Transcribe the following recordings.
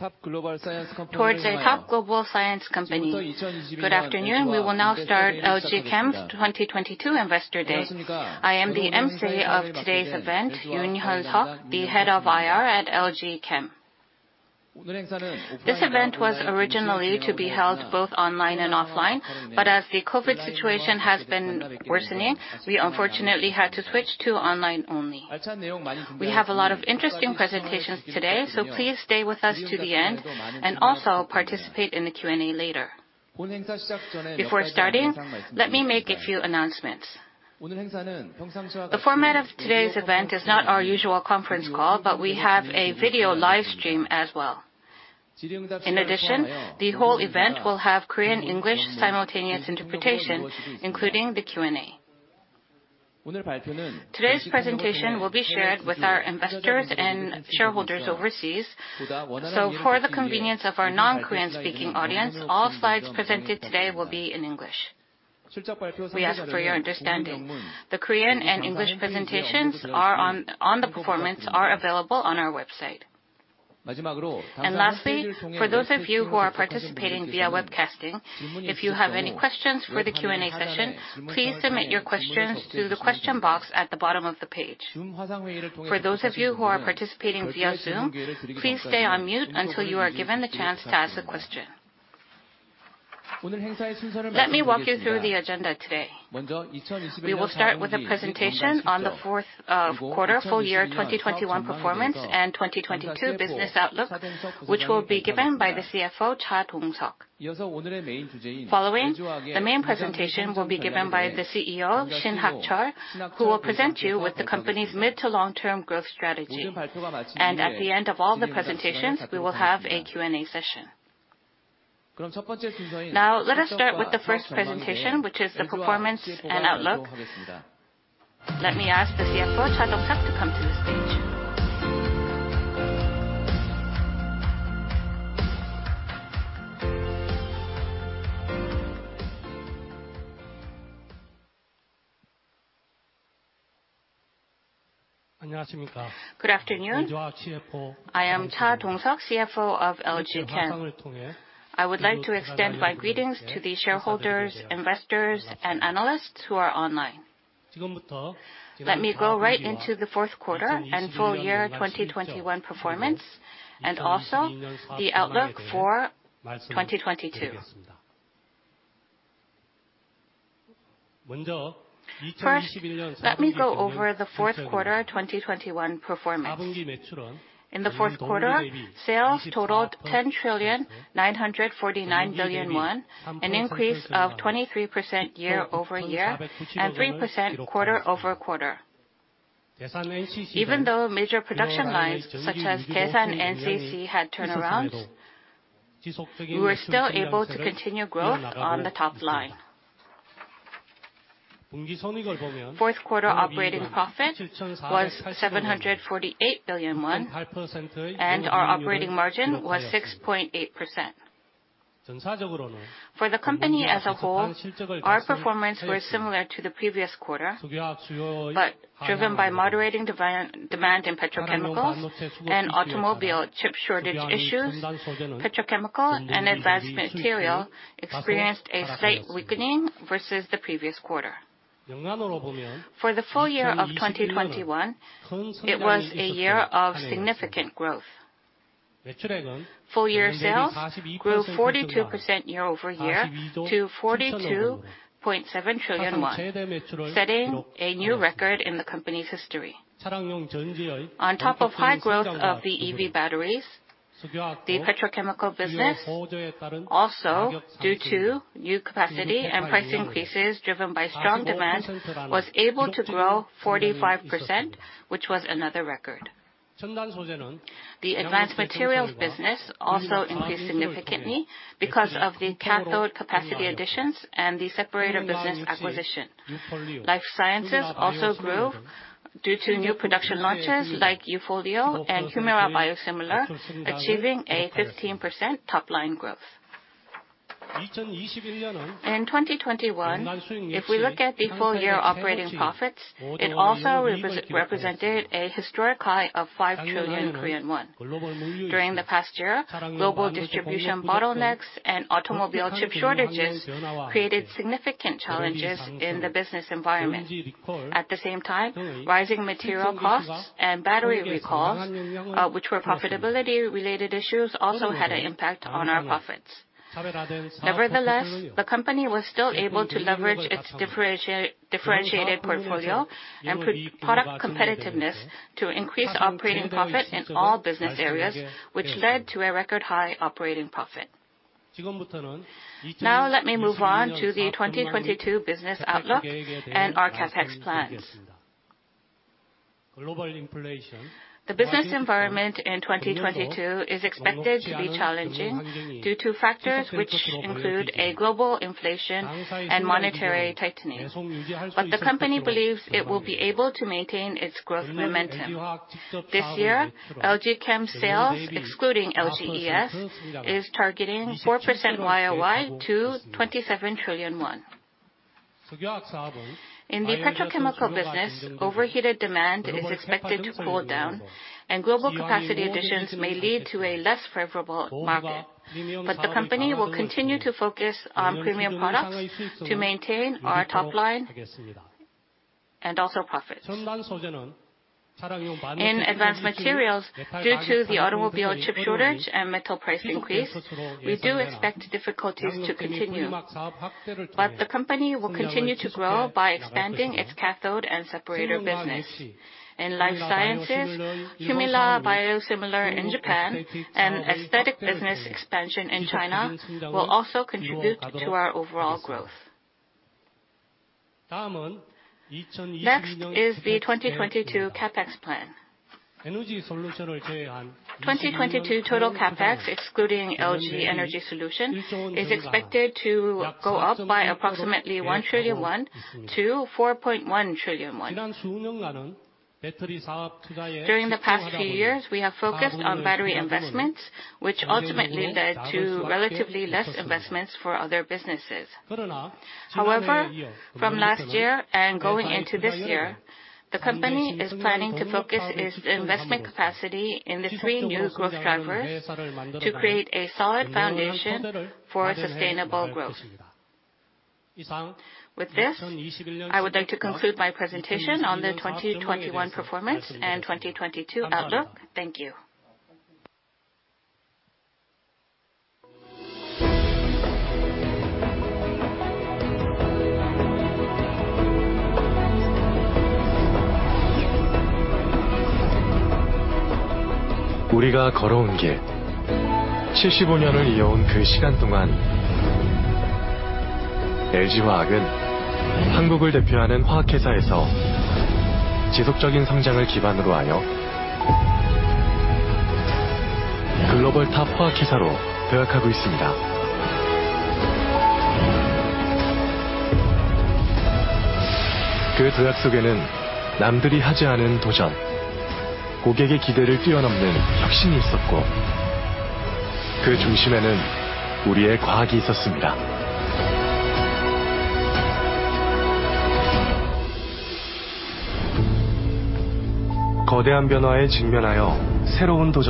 Towards a top global science company. Good afternoon, we will now start LG Chem 2022 Investor Day. I am the emcee of today's event, Hyun-suk Yoon, Head of IR at LG Chem. This event was originally to be held both online and offline, but as the COVID situation has been worsening, we unfortunately had to switch to online only. We have a lot of interesting presentations today, so please stay with us to the end, and also participate in the Q&A later. Before starting, let me make a few announcements. The format of today's event is not our usual conference call, but we have a video live stream as well. In addition, the whole event will have Korean-English simultaneous interpretation, including the Q&A. Today's presentation will be shared with our investors and shareholders overseas, so for the convenience of our non-Korean-speaking audience, all slides presented today will be in English. We ask for your understanding. The Korean and English presentations on the performance are available on our website. Lastly, for those of you who are participating via webcasting, if you have any questions for the Q&A session, please submit your questions through the question box at the bottom of the page. For those of you who are participating via Zoom, please stay on mute until you are given the chance to ask a question. Let me walk you through the agenda today. We will start with a presentation on the fourth quarter full year 2021 performance and 2022 business outlook, which will be given by the CFO, Dong Seok Cha. Following, the main presentation will be given by the CEO, Shin Hak-cheol, who will present you with the company's mid to long-term growth strategy. At the end of all the presentations, we will have a Q&A session. Now, let us start with the first presentation, which is the performance and outlook. Let me ask the CFO, Cha Dong-seok, to come to the stage. Good afternoon. I am Cha Dong-seok, CFO of LG Chem. I would like to extend my greetings to the shareholders, investors, and analysts who are online. Let me go right into the fourth quarter and full year 2021 performance, and also the outlook for 2022. First, let me go over the fourth quarter 2021 performance. In the fourth quarter, sales totaled 10,949 billion won, an increase of 23% year-over-year, and 3% quarter-over-quarter. Even though major production lines such as Daesan and NCC had turnarounds, we were still able to continue growth on the top line. Fourth quarter operating profit was 748 billion won, and our operating margin was 6.8%. For the company as a whole, our performance was similar to the previous quarter but driven by moderating demand in petrochemicals and automobile chip shortage issues, petrochemical and advanced material experienced a slight weakening versus the previous quarter. For the full year of 2021, it was a year of significant growth. Full year sales grew 42% year-over-year to 42.7 trillion won, setting a new record in the company's history. On top of high growth of the EV batteries, the petrochemical business, also due to new capacity and price increases driven by strong demand, was able to grow 45%, which was another record. The advanced materials business also increased significantly because of the cathode capacity additions and the separator business acquisition. Life sciences also grew due to new production launches like Ufolio and Humira biosimilar, achieving a 15% top line growth. In 2021, if we look at the full year operating profits, it also represented a historic high of 5 trillion Korean won. During the past year, global distribution bottlenecks and automobile chip shortages created significant challenges in the business environment. At the same time, rising material costs and battery recalls, which were profitability-related issues, also had an impact on our profits. Nevertheless, the company was still able to leverage its differentiated portfolio and product competitiveness to increase operating profit in all business areas, which led to a record high operating profit. Now let me move on to the 2022 business outlook and our CapEx plans. The business environment in 2022 is expected to be challenging due to factors which include a global inflation and monetary tightening. The company believes it will be able to maintain its growth momentum. This year, LG Chem sales, excluding LGES, is targeting 4% YOY to 27 trillion won. In the petrochemical business, overheated demand is expected to cool down, and global capacity additions may lead to a less favorable market. The company will continue to focus on premium products to maintain our top line and also profits. In advanced materials, due to the automobile chip shortage and metal price increase, we do expect difficulties to continue, but the company will continue to grow by expanding its cathode and separator business. In life sciences, Humira biosimilar in Japan and aesthetic business expansion in China will also contribute to our overall growth. Next is the 2022 CapEx plan. 2022 total CapEx, excluding LG Energy Solution, is expected to go up by approximately 1 trillion won to 4.1 trillion won. During the past few years, we have focused on battery investments, which ultimately led to relatively less investments for other businesses. However, from last year and going into this year, the company is planning to focus its investment capacity in the three new growth drivers to create a solid foundation for sustainable growth. With this, I would like to conclude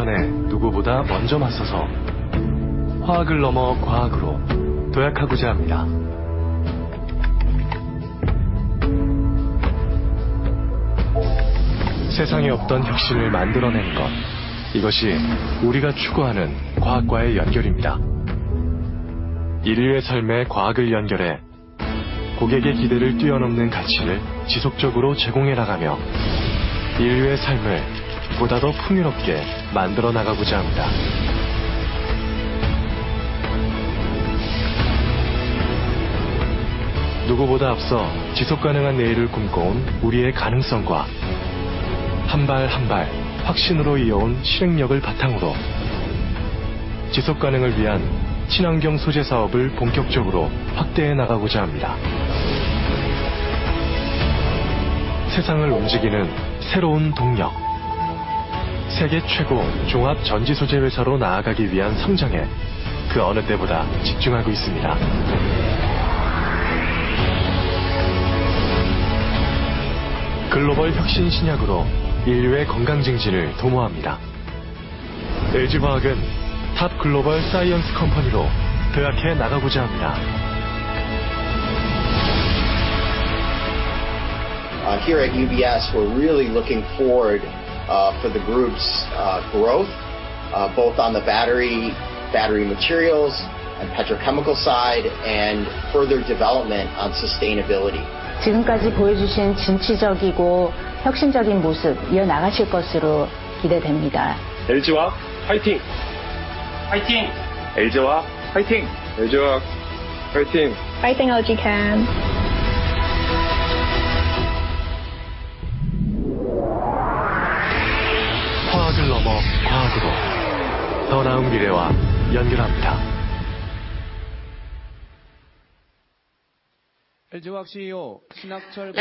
my presentation on the 2021 performance and 2022 outlook. Thank you. Let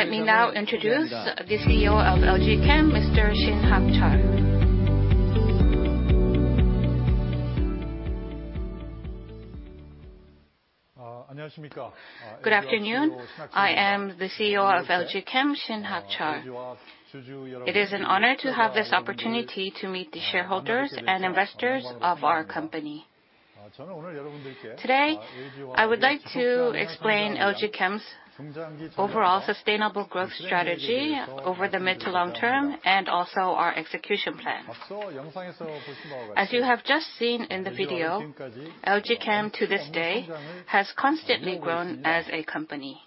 me now introduce the CEO of LG Chem, Mr. Shin Hak-cheol. Good afternoon. I am the CEO of LG Chem, Shin Hak-cheol. It is an honor to have this opportunity to meet the shareholders and investors of our company. Today, I would like to explain LG Chem's overall sustainable growth strategy over the mid to long term, and also our execution plan. As you have just seen in the video, LG Chem, to this day, has constantly grown as a company.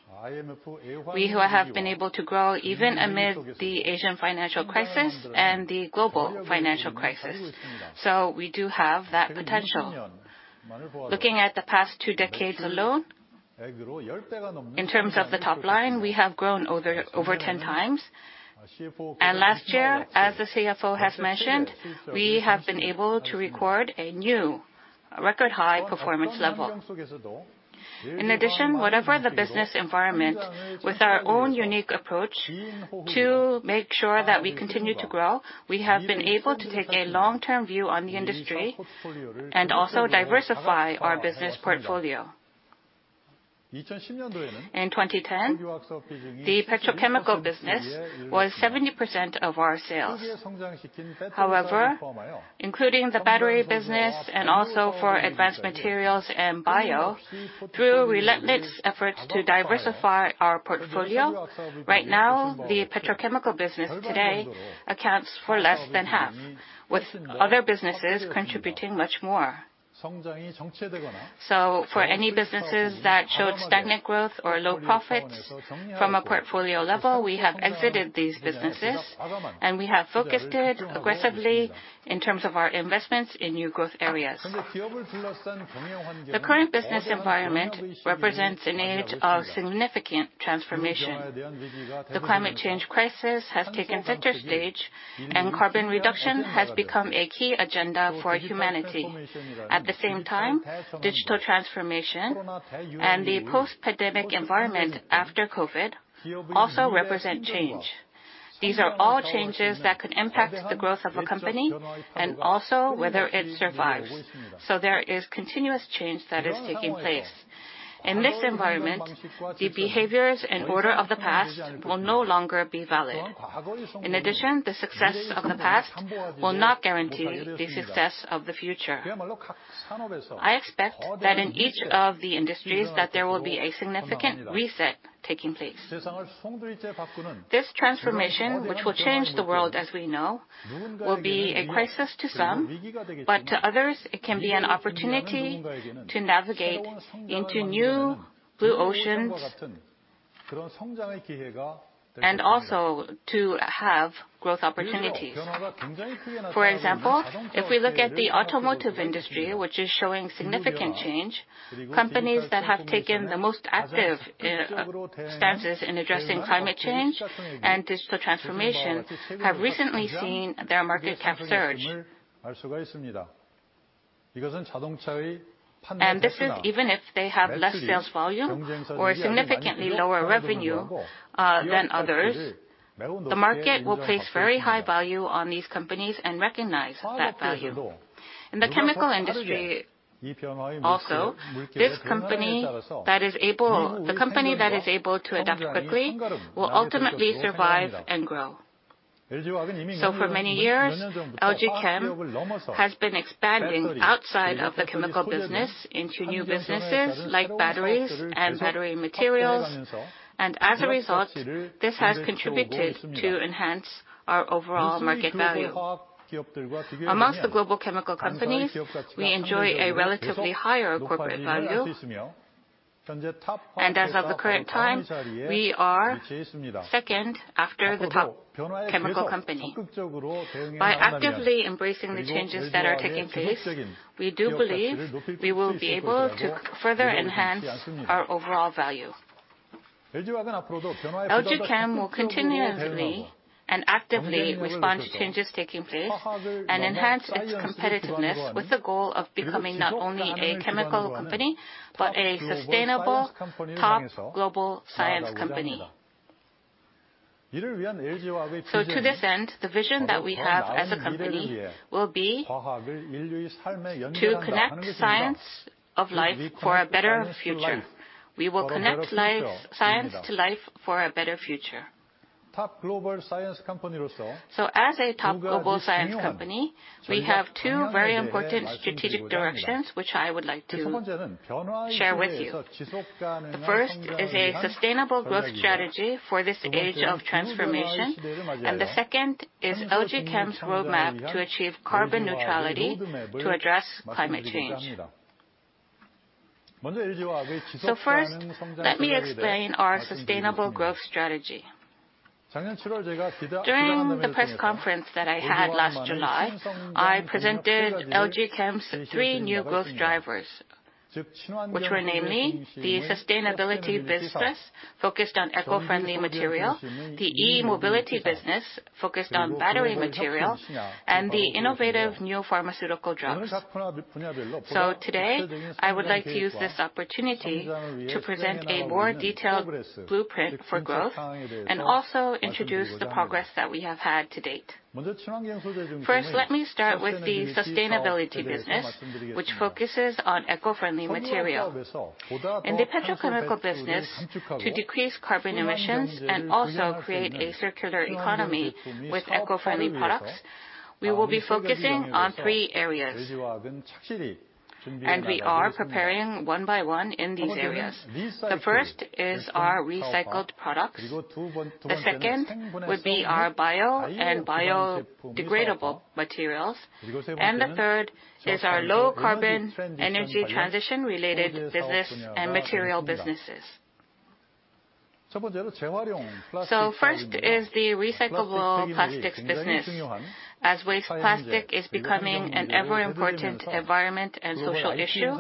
We have been able to grow even amid the Asian financial crisis and the global financial crisis. We do have that potential. Looking at the past two decades alone, in terms of the top line, we have grown over 10 times. Last year, as the CFO has mentioned, we have been able to record a new record high performance level. In addition, whatever the business environment, with our own unique approach to make sure that we continue to grow, we have been able to take a long-term view on the industry and also diversify our business portfolio. In 2010, the petrochemical business was 70% of our sales. However, including the battery business and also for advanced materials and bio, through relentless efforts to diversify our portfolio, right now, the petrochemical business today accounts for less than half, with other businesses contributing much more. For any businesses that showed stagnant growth or low profits from a portfolio level, we have exited these businesses and we have focused it aggressively in terms of our investments in new growth areas. The current business environment represents an age of significant transformation. The climate change crisis has taken center stage, and carbon reduction has become a key agenda for humanity. At the same time, digital transformation and the post-pandemic environment after COVID also represent change. These are all changes that could impact the growth of a company and also whether it survives. There is continuous change that is taking place. In this environment, the behaviors and order of the past will no longer be valid. In addition, the success of the past will not guarantee the success of the future. I expect that in each of the industries that there will be a significant reset taking place. This transformation, which will change the world as we know, will be a crisis to some, but to others it can be an opportunity to navigate into new blue oceans and also to have growth opportunities. For example, if we look at the automotive industry, which is showing significant change, companies that have taken the most active stances in addressing climate change and digital transformation have recently seen their market cap surge. This is even if they have less sales volume or significantly lower revenue than others, the market will place very high value on these companies and recognize that value. In the chemical industry, also, this company that is able to adapt quickly will ultimately survive and grow. For many years, LG Chem has been expanding outside of the chemical business into new businesses like batteries and battery materials. As a result, this has contributed to enhance our overall market value. Among the global chemical companies, we enjoy a relatively higher corporate value. As of the current time, we are second after the top chemical company. By actively embracing the changes that are taking place, we do believe we will be able to further enhance our overall value. LG Chem will continuously and actively respond to changes taking place and enhance its competitiveness with the goal of becoming not only a chemical company, but a sustainable top global science company. To this end, the vision that we have as a company will be to connect science of life for a better future. We will connect science to life for a better future. As a top global science company, we have two very important strategic directions which I would like to share with you. The first is a sustainable growth strategy for this age of transformation, and the second is LG Chem's roadmap to achieve carbon neutrality to address climate change. First, let me explain our sustainable growth strategy. During the press conference that I had last July, I presented LG Chem's three new growth drivers, which were namely the sustainability business focused on eco-friendly material, the e-mobility business focused on battery material, and the innovative new pharmaceutical drugs. Today, I would like to use this opportunity to present a more detailed blueprint for growth and also introduce the progress that we have had to date. First, let me start with the sustainability business, which focuses on eco-friendly material. In the petrochemical business, to decrease carbon emissions and also create a circular economy with eco-friendly products, we will be focusing on three areas. We are preparing one by one in these areas. The first is our recycled products. The second would be our bio and biodegradable materials. The third is our low carbon energy transition-related business and material businesses. First is the recyclable plastics business. As waste plastic is becoming an ever-important environment and social issue,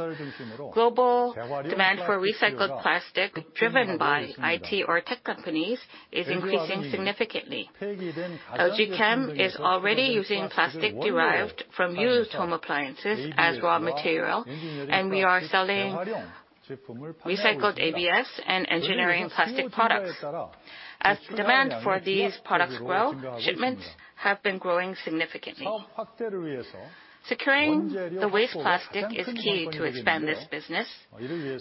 global demand for recycled plastic driven by IT or tech companies is increasing significantly. LG Chem is already using plastic derived from used home appliances as raw material, and we are selling recycled ABS and engineering plastic products. As demand for these products grow, shipments have been growing significantly. Securing the waste plastic is key to expand this business,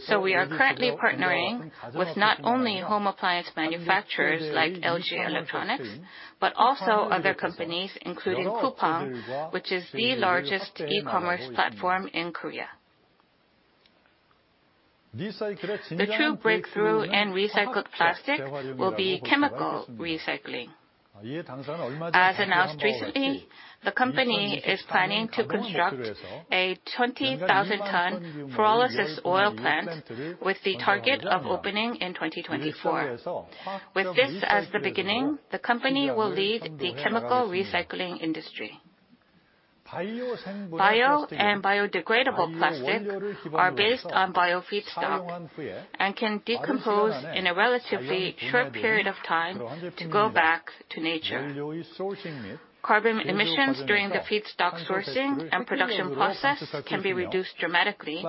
so we are currently partnering with not only home appliance manufacturers like LG Electronics, but also other companies, including Coupang, which is the largest e-commerce platform in Korea. The true breakthrough in recycled plastic will be chemical recycling. As announced recently, the company is planning to construct a 20,000-ton pyrolysis oil plant with the target of opening in 2024. With this as the beginning, the company will lead the chemical recycling industry. Bio and biodegradable plastic are based on bio feedstock and can decompose in a relatively short period of time to go back to nature. Carbon emissions during the feedstock sourcing and production process can be reduced dramatically,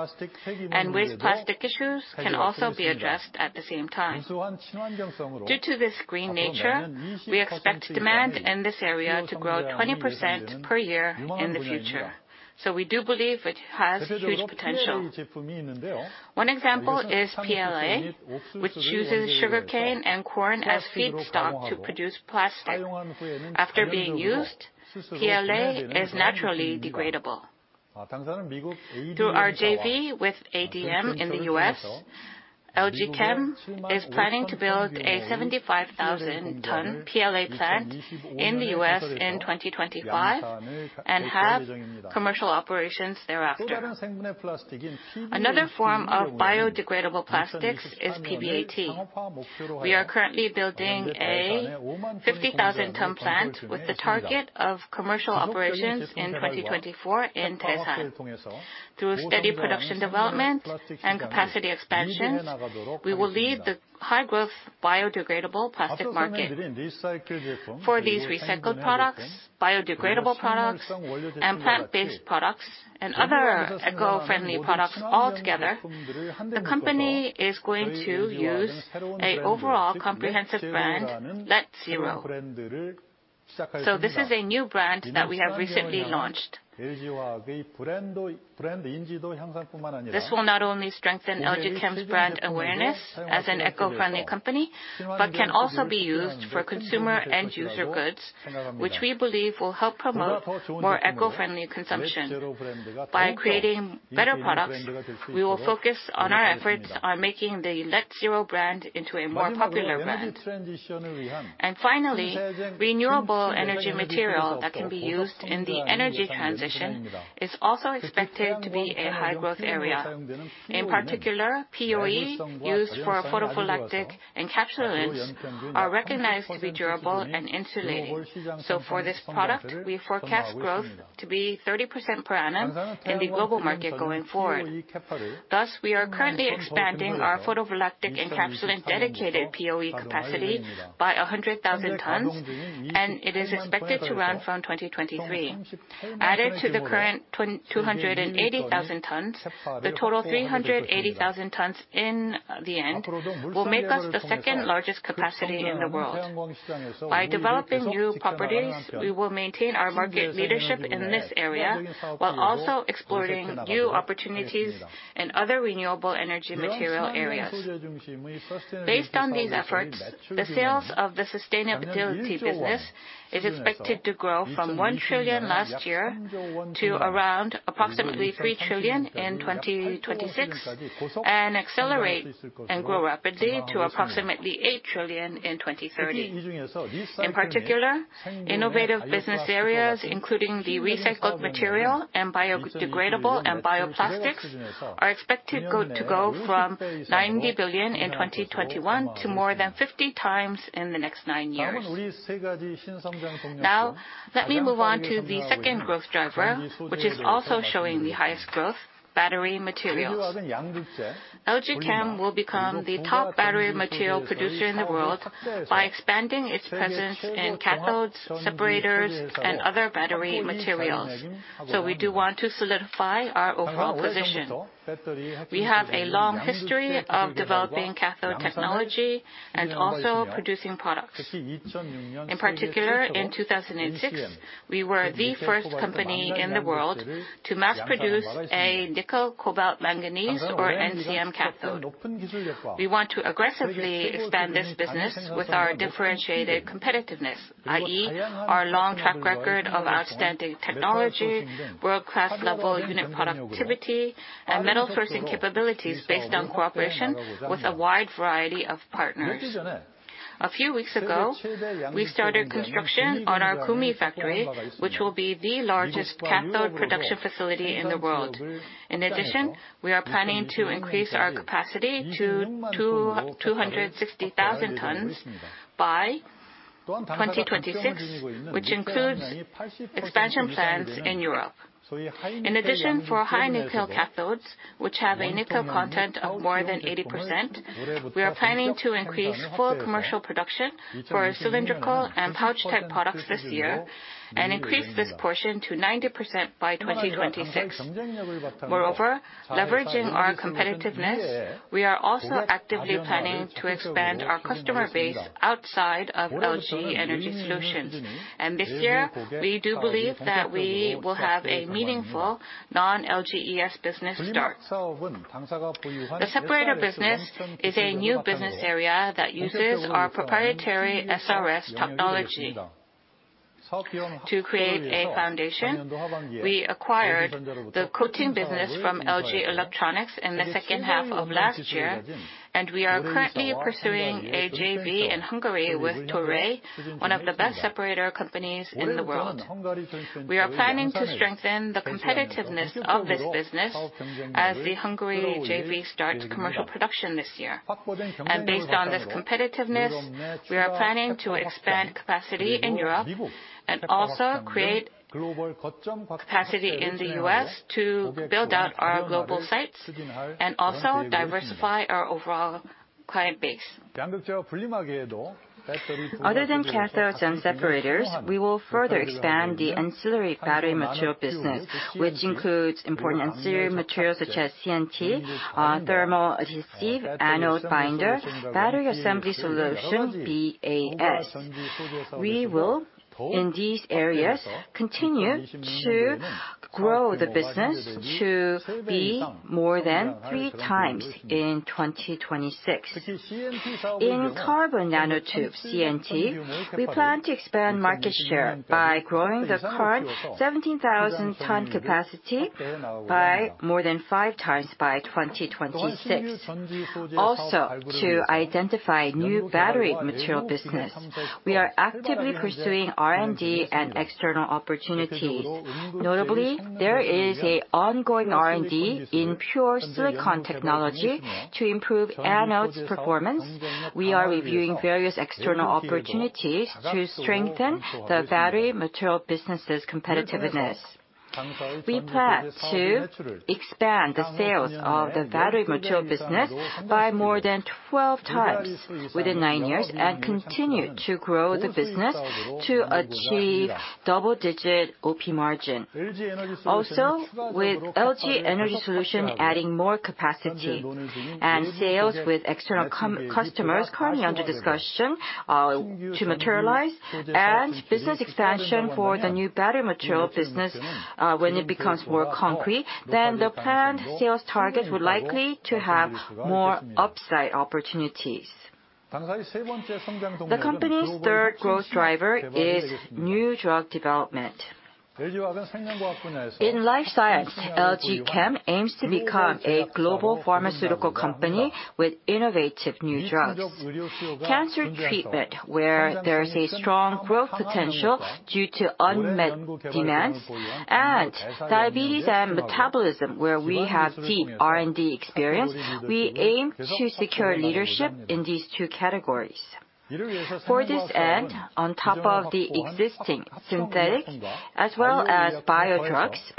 and waste plastic issues can also be addressed at the same time. Due to this green nature, we expect demand in this area to grow 20% per year in the future. We do believe it has huge potential. One example is PLA, which uses sugarcane and corn as feedstock to produce plastic. After being used, PLA is naturally degradable. Through our JV with ADM in the U.S., LG Chem is planning to build a 75,000-ton PLA plant in the U.S. in 2025, and have commercial operations thereafter. Another form of biodegradable plastics is PBAT. We are currently building a 50,000-ton plant with the target of commercial operations in 2024 in Daesan. Through steady production development and capacity expansions, we will lead the high growth biodegradable plastic market. For these recycled products, biodegradable products, and plant-based products and other eco-friendly products all together, the company is going to use an overall comprehensive brand, LETZero. This is a new brand that we have recently launched. This will not only strengthen LG Chem's brand awareness as an eco-friendly company, but can also be used for consumer and user goods, which we believe will help promote more eco-friendly consumption. By creating better products, we will focus on our efforts on making the LETZero brand into a more popular brand. Finally, renewable energy material that can be used in the energy transition is also expected to be a high growth area. In particular, POE used for photovoltaic encapsulants are recognized to be durable and insulating. For this product, we forecast growth to be 30% per annum in the global market going forward. Thus, we are currently expanding our photovoltaic encapsulant dedicated POE capacity by 100,000 tons, and it is expected to run from 2023. Added to the current 280,000 tons, the total 380,000 tons in the end will make us the second-largest capacity in the world. By developing new properties, we will maintain our market leadership in this area, while also exploring new opportunities in other renewable energy material areas. Based on these efforts, the sales of the sustainability business is expected to grow from 1 trillion last year to around approximately 3 trillion in 2026, and accelerate and grow rapidly to approximately 8 trillion in 2030. In particular, innovative business areas, including the recycled material and biodegradable and bioplastics, are expected to go from 90 billion in 2021 to more than 50 times in the next nine years. Now let me move on to the second growth driver, which is also showing the highest growth, battery materials. LG Chem will become the top battery material producer in the world by expanding its presence in cathodes, separators, and other battery materials. We do want to solidify our overall position. We have a long history of developing cathode technology and also producing products. In particular, in 2006, we were the first company in the world to mass produce a nickel cobalt manganese, or NCM cathode. We want to aggressively expand this business with our differentiated competitiveness, i.e., our long track record of outstanding technology, world-class level unit productivity, and metal sourcing capabilities based on cooperation with a wide variety of partners. A few weeks ago, we started construction on our Gumi factory, which will be the largest cathode production facility in the world. We are planning to increase our capacity to 260,000 tons by 2026, which includes expansion plans in Europe. For high nickel cathodes, which have a nickel content of more than 80%, we are planning to increase full commercial production for our cylindrical and pouch type products this year and increase this portion to 90% by 2026. Moreover, leveraging our competitiveness, we are also actively planning to expand our customer base outside of LG Energy Solution. This year, we do believe that we will have a meaningful non-LGES business start. The separator business is a new business area that uses our proprietary SRS technology. To create a foundation, we acquired the coating business from LG Electronics in the second half of last year, and we are currently pursuing a JV in Hungary with Toray, one of the best separator companies in the world. We are planning to strengthen the competitiveness of this business as the Hungary JV starts commercial production this year. Based on this competitiveness, we are planning to expand capacity in Europe and also create capacity in the U.S. to build out our global sites and also diversify our overall client base. Other than cathodes and separators, we will further expand the ancillary battery material business, which includes important ancillary materials such as CNT, thermal adhesive, anode binder, battery assembly solution, BAS. We will, in these areas, continue to grow the business to be more than three times in 2026. In carbon nanotube, CNT, we plan to expand market share by growing the current 17,000-ton capacity by more than 5 times by 2026. To identify new battery material business, we are actively pursuing R&D and external opportunities. Notably, there is an ongoing R&D in pure silicon technology to improve anodes performance. We are reviewing various external opportunities to strengthen the battery material business' competitiveness. We plan to expand the sales of the battery material business by more than 12 times within 9 years and continue to grow the business to achieve double-digit OP margin. With LG Energy Solution adding more capacity and sales with external customers currently under discussion, to materialize and business expansion for the new battery material business, when it becomes more concrete, then the planned sales target would likely have more upside opportunities. The company's third growth driver is new drug development. In life science, LG Chem aims to become a global pharmaceutical company with innovative new drugs. Cancer treatment, where there's a strong growth potential due to unmet demands, and diabetes and metabolism, where we have deep R&D experience, we aim to secure leadership in these two categories. For this end, on top of the existing synthetics as well as bio drugs,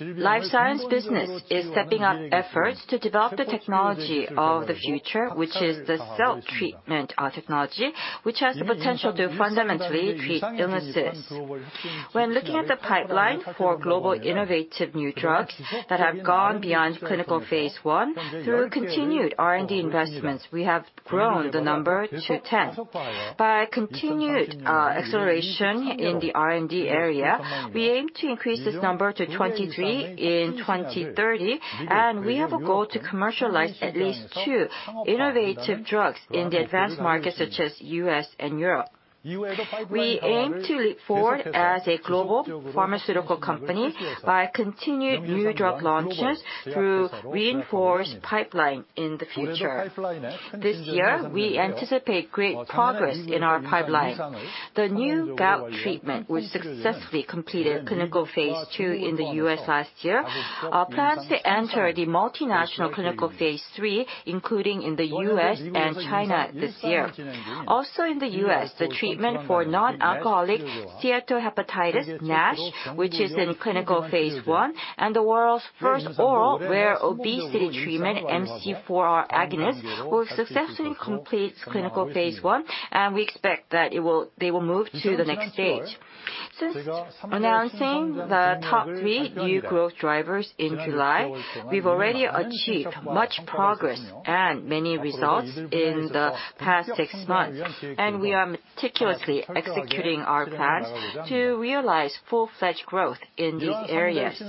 life science business is stepping up efforts to develop the technology of the future, which is the cell treatment technology, which has the potential to fundamentally treat illnesses. When looking at the pipeline for global innovative new drugs that have gone beyond clinical phase I, through continued R&D investments, we have grown the number to 10. By continued acceleration in the R&D area, we aim to increase this number to 23 in 2030, and we have a goal to commercialize at least two innovative drugs in the advanced markets such as U.S. and Europe. We aim to leap forward as a global pharmaceutical company by continued new drug launches through reinforced pipeline in the future. This year, we anticipate great progress in our pipeline. The new gout treatment, which successfully completed clinical phase II in the U.S. last year, plans to enter the multinational clinical phase III, including in the U.S. and China this year. Also in the U.S., the treatment for non-alcoholic steatohepatitis, NASH, which is in clinical phase I, and the world's first oral rare obesity treatment, MC4R agonist, will successfully complete clinical phase I, and we expect that they will move to the next stage. Since announcing the top three new growth drivers in July, we've already achieved much progress and many results in the past six months, and we are meticulously executing our plans to realize full-fledged growth in these areas.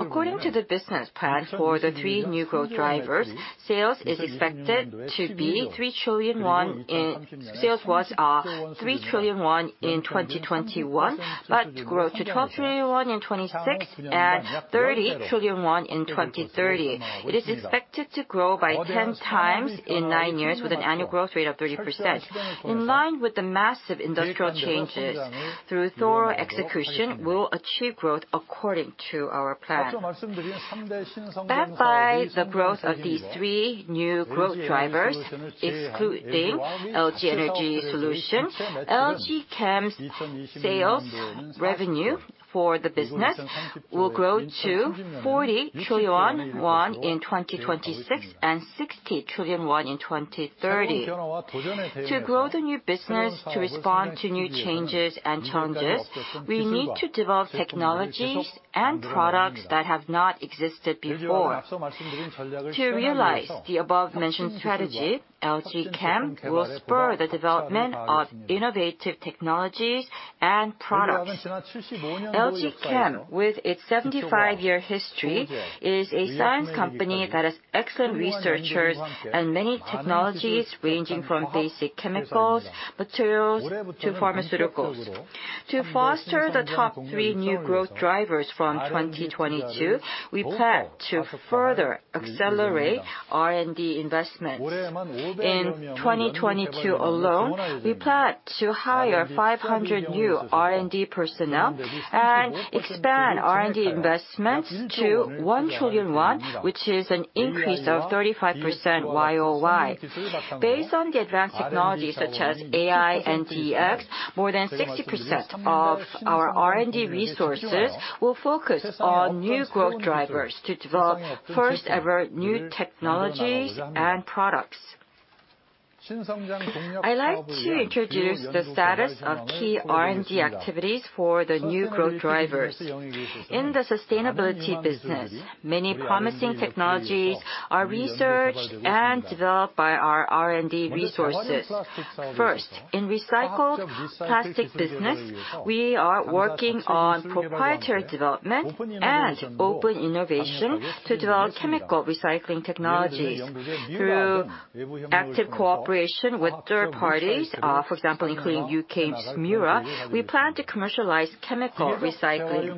According to the business plan for the three new growth drivers, sales was 3 trillion won in 2021, but grow to 12 trillion won in 2026 and 30 trillion won in 2030. It is expected to grow by 10 times in 9 years with an annual growth rate of 30%. In line with the massive industrial changes, through thorough execution, we'll achieve growth according to our plan. Backed by the growth of these three new growth drivers, excluding LG Energy Solution, LG Chem's sales revenue for the business will grow to 40 trillion won in 2026 and 60 trillion won in 2030. To grow the new business to respond to new changes and challenges, we need to develop technologies and products that have not existed before. To realize the above-mentioned strategy, LG Chem will spur the development of innovative technologies and products. LG Chem, with its 75-year history, is a science company that has excellent researchers and many technologies ranging from basic chemicals, materials, to pharmaceuticals. To foster the top three new growth drivers from 2022, we plan to further accelerate R&D investments. In 2022 alone, we plan to hire 500 new R&D personnel and expand R&D investments to 1 trillion won, which is an increase of 35% YoY. Based on the advanced technologies such as AI and DX, more than 60% of our R&D resources will focus on new growth drivers to develop first-ever new technology and products. I'd like to introduce the status of key R&D activities for the new growth drivers. In the sustainability business, many promising technologies are researched and developed by our R&D resources. First, in recycled plastic business, we are working on proprietary development and open innovation to develop chemical recycling technologies. Through active cooperation with third parties, for example, including U.K.'s Mura, we plan to commercialize chemical recycling.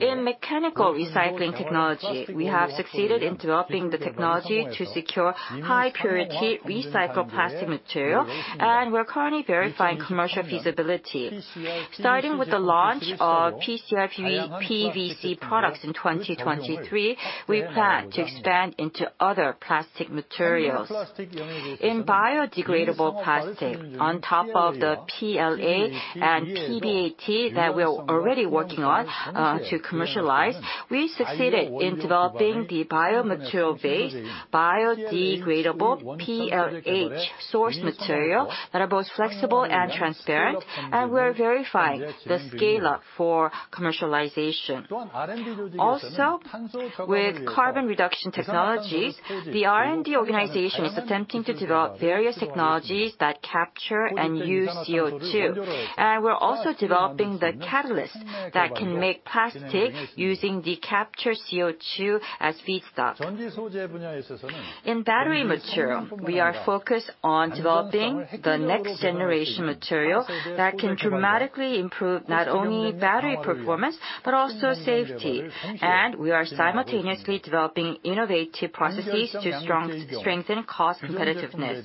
In mechanical recycling technology, we have succeeded in developing the technology to secure high purity recycled plastic material, and we're currently verifying commercial feasibility. Starting with the launch of PCR PVC products in 2023, we plan to expand into other plastic materials. In biodegradable plastic, on top of the PLA and PBAT that we're already working on to commercialize, we succeeded in developing the biomaterial base biodegradable PHA source material that are both flexible and transparent, and we're verifying the scale-up for commercialization. Also, with carbon reduction technologies, the R&D organization is attempting to develop various technologies that capture and use CO2. We're also developing the catalyst that can make plastic using the captured CO2 as feedstock. In battery material, we are focused on developing the next generation material that can dramatically improve not only battery performance, but also safety. We are simultaneously developing innovative processes to strengthen cost competitiveness.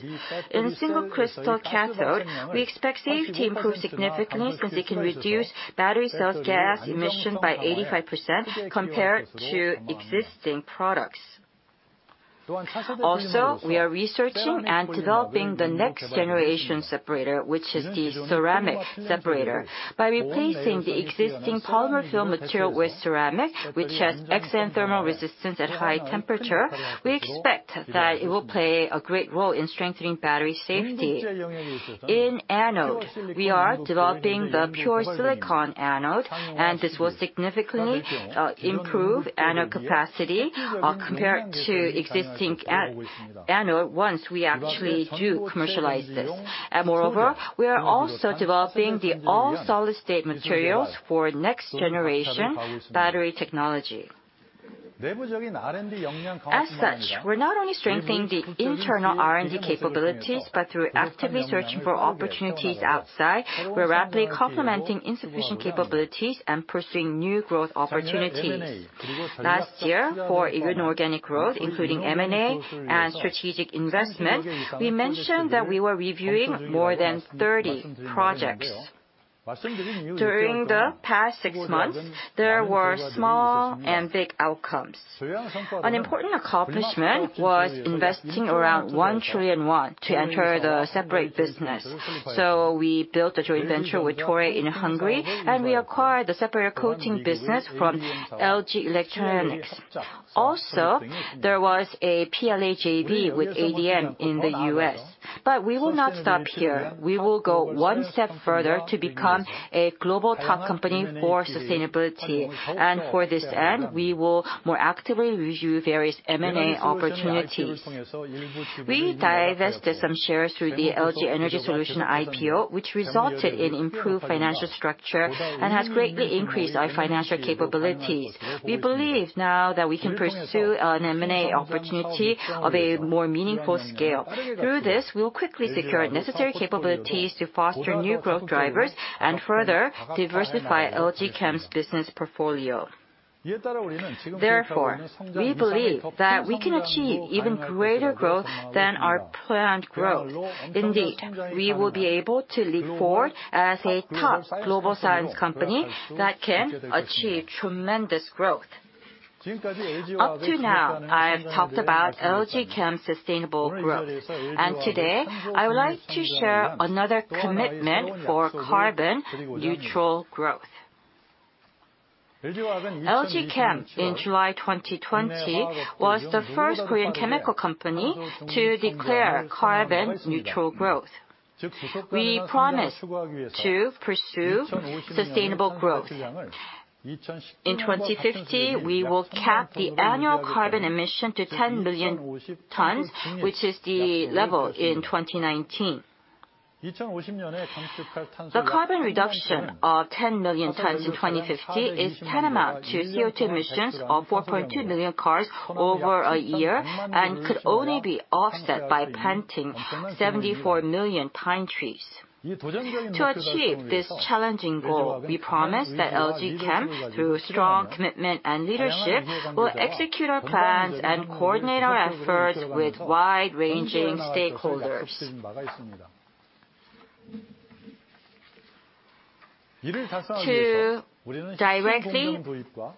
In single crystal cathode, we expect safety improve significantly since it can reduce battery cells gas emission by 85% compared to existing products. Also, we are researching and developing the next generation separator, which is the ceramic separator. By replacing the existing polymer film material with ceramic, which has excellent thermal resistance at high temperature, we expect that it will play a great role in strengthening battery safety. In anode, we are developing the pure silicon anode, and this will significantly improve anode capacity compared to existing anode once we actually do commercialize this. Moreover, we are also developing the all solid-state materials for next generation battery technology. As such, we're not only strengthening the internal R&D capabilities, but through actively searching for opportunities outside, we're rapidly complementing insufficient capabilities and pursuing new growth opportunities. Last year, for inorganic growth, including M&A and strategic investment, we mentioned that we were reviewing more than 30 projects. During the past six months, there were small and big outcomes. An important accomplishment was investing around 1 trillion won to enter the separate business. We built a joint venture with Toray in Hungary, and we acquired the separator coating business from LG Electronics. Also, there was a PLA JV with ADM in the U.S. We will not stop here. We will go one step further to become a global top company for sustainability. For this end, we will more actively review various M&A opportunities. We divested some shares through the LG Energy Solution IPO, which resulted in improved financial structure and has greatly increased our financial capabilities. We believe now that we can pursue an M&A opportunity of a more meaningful scale. Through this, we'll quickly secure necessary capabilities to foster new growth drivers and further diversify LG Chem's business portfolio. Therefore, we believe that we can achieve even greater growth than our planned growth. Indeed, we will be able to leap forward as a top global science company that can achieve tremendous growth. Up to now, I've talked about LG Chem sustainable growth, and today, I would like to share another commitment for carbon neutral growth. LG Chem in July 2020 was the first Korean chemical company to declare carbon neutral growth. We promise to pursue sustainable growth. In 2050, we will cap the annual carbon emission to 10 billion tons, which is the level in 2019. The carbon reduction of 10 million tons in 2050 is tantamount to CO2 emissions of 4.2 million cars over a year and could only be offset by planting 74 million pine trees. To achieve this challenging goal, we promise that LG Chem, through strong commitment and leadership, will execute our plans and coordinate our efforts with wide-ranging stakeholders. To directly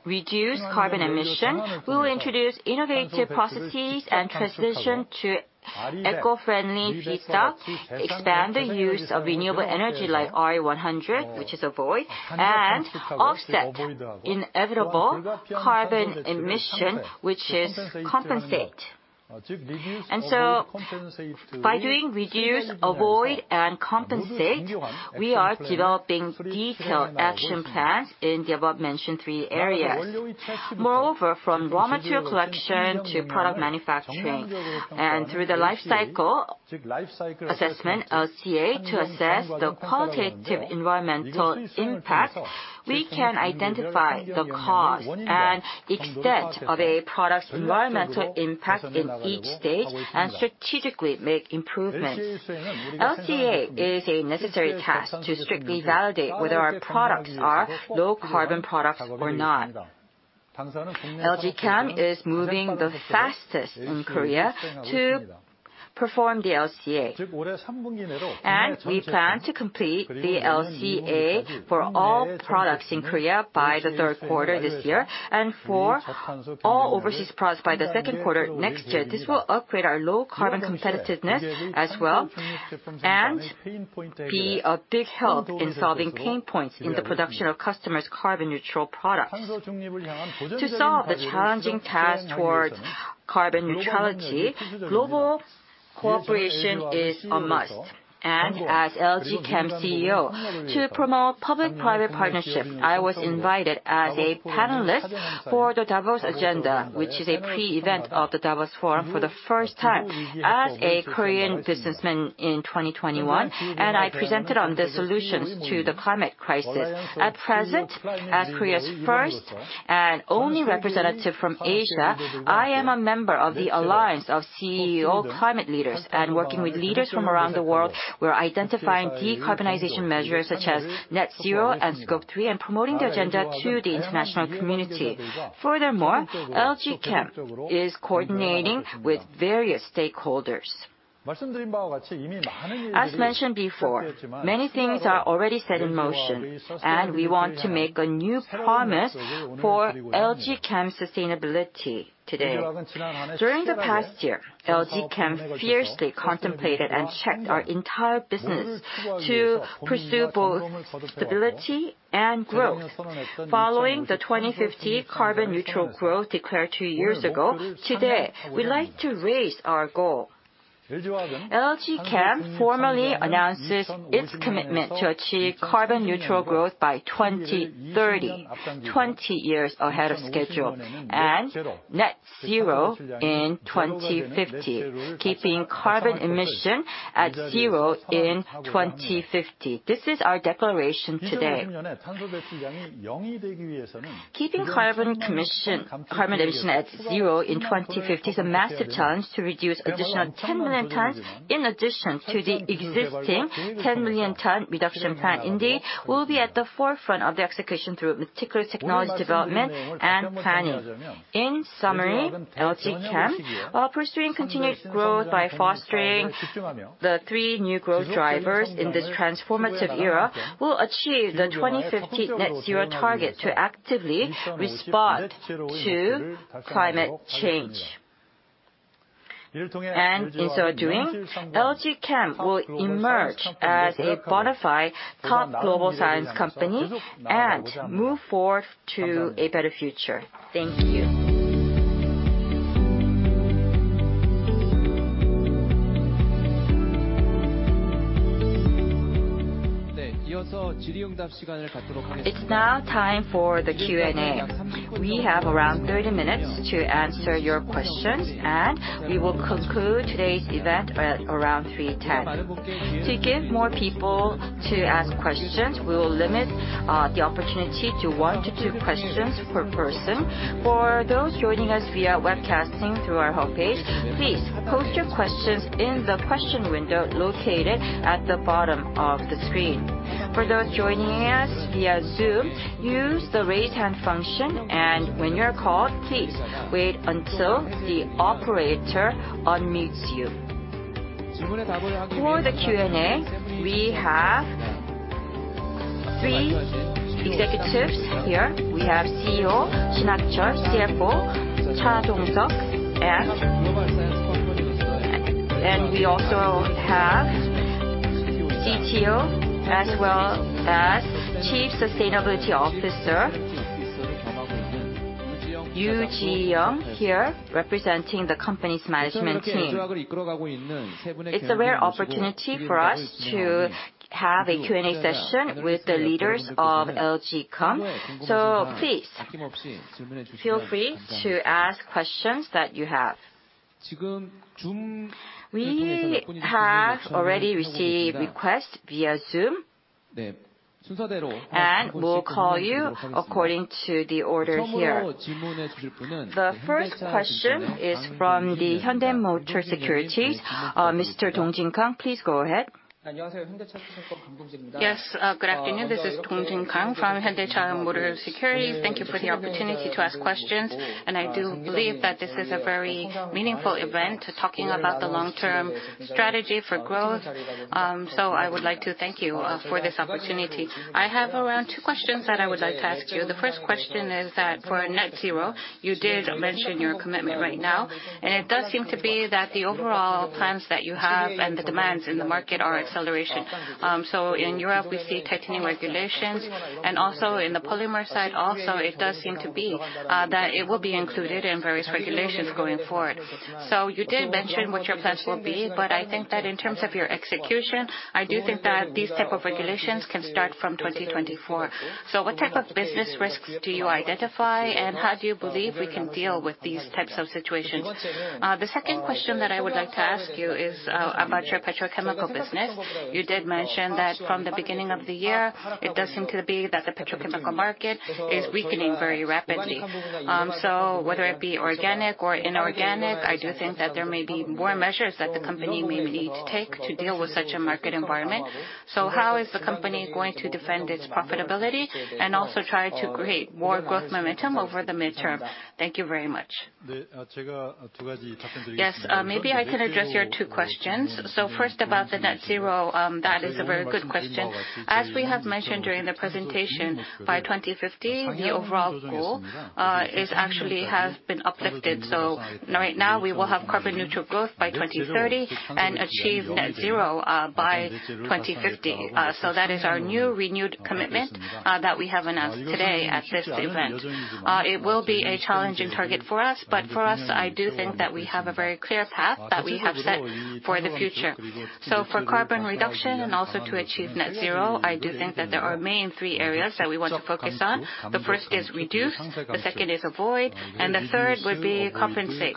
reduce carbon emission, we will introduce innovative processes and transition to eco-friendly feedstock, expand the use of renewable energy like RE100, which is avoid, and offset inevitable carbon emission, which is compensate. By doing reduce, avoid, and compensate, we are developing detailed action plans in the above mentioned three areas. Moreover, from raw material collection to product manufacturing, and through the life cycle assessment, LCA, to assess the qualitative environmental impact, we can identify the cause and extent of a product's environmental impact in each stage and strategically make improvements. LCA is a necessary task to strictly validate whether our products are low carbon products or not. LG Chem is moving the fastest in Korea to perform the LCA. We plan to complete the LCA for all products in Korea by the third quarter this year, and for all overseas products by the second quarter next year. This will upgrade our low carbon competitiveness as well, and be a big help in solving pain points in the production of customers' carbon neutral products. To solve the challenging task towards carbon neutrality, global cooperation is a must. As LG Chem CEO, to promote public-private partnership, I was invited as a panelist for the Davos Agenda, which is a pre-event of the Davos Forum, for the first time as a Korean businessman in 2021. I presented on the solutions to the climate crisis. At present, as Korea's first and only representative from Asia, I am a member of the Alliance of CEO Climate Leaders. Working with leaders from around the world, we're identifying decarbonization measures such as net zero and Scope 3, and promoting the agenda to the international community. Furthermore, LG Chem is coordinating with various stakeholders. As mentioned before, many things are already set in motion, and we want to make a new promise for LG Chem sustainability today. During the past year, LG Chem fiercely contemplated and checked our entire business to pursue both stability and growth. Following the 2050 carbon neutral growth declared two years ago, today, we'd like to raise our goal. LG Chem formally announces its commitment to achieve carbon neutral growth by 2030, 20 years ahead of schedule, and net zero in 2050, keeping carbon emission at zero in 2050. This is our declaration today. Keeping carbon emission... Carbon emission at zero in 2050 is a massive challenge to reduce additional 10 million tons in addition to the existing 10 million tons reduction plan. Indeed, we'll be at the forefront of the execution through particular technology development and planning. In summary, LG Chem, while pursuing continued growth by fostering the 3 new growth drivers in this transformative era, will achieve the 2050 net zero target to actively respond to climate change. In so doing, LG Chem will emerge as a bona fide top global science company and move forward to a better future. Thank you. It's now time for the Q&A. We have around 30 minutes to answer your questions, and we will conclude today's event at around 3:10. To give more people to ask questions, we will limit the opportunity to 1-2 questions per person. For those joining us via webcasting through our homepage, please post your questions in the question window located at the bottom of the screen. For those joining us via Zoom, use the Raise Hand function, and when you're called, please wait until the operator unmutes you. For the Q&A, we have three executives here. We have CEO Shin Hak-cheol, CFO Dong Seok Cha, and we also have CTO as well as Chief Sustainability Officer Yoo Ji-young here representing the company's management team. It's a rare opportunity for us to have a Q&A session with the leaders of LG Chem, so please feel free to ask questions that you have. We have already received requests via Zoom. We'll call you according to the order here. The first question is from Hyundai Motor Securities. Mr. Dong-jin, please go ahead. Yes, good afternoon. This is Kang Dong-jin from Hyundai Motor Securities. Thank you for the opportunity to ask questions. I do believe that this is a very meaningful event, talking about the long-term strategy for growth. I would like to thank you for this opportunity. I have around two questions that I would like to ask you. The first question is that for net zero, you did mention your commitment right now. It does seem to be that the overall plans that you have and the demands in the market are acceleration. In Europe we see tightening regulations, and also in the polymer side also it does seem to be that it will be included in various regulations going forward. You did mention what your plans will be, but I think that in terms of your execution, I do think that these type of regulations can start from 2024. What type of business risks do you identify, and how do you believe we can deal with these types of situations? The second question that I would like to ask you is about your petrochemical business. You did mention that from the beginning of the year, it does seem to be that the petrochemical market is weakening very rapidly. Whether it be organic or inorganic, I do think that there may be more measures that the company may need to take to deal with such a market environment. How is the company going to defend its profitability and also try to create more growth momentum over the midterm? Thank you very much. Yes, maybe I can address your two questions. First, about the net zero, that is a very good question. As we have mentioned during the presentation, by 2050 the overall goal is actually has been uplifted. Right now we will have carbon neutral growth by 2030 and achieve net zero by 2050. That is our new renewed commitment that we have announced today at this event. It will be a challenging target for us, but for us, I do think that we have a very clear path that we have set for the future. For carbon reduction and also to achieve net zero, I do think that there are mainly three areas that we want to focus on. The first is reduce, the second is avoid, and the third would be compensate.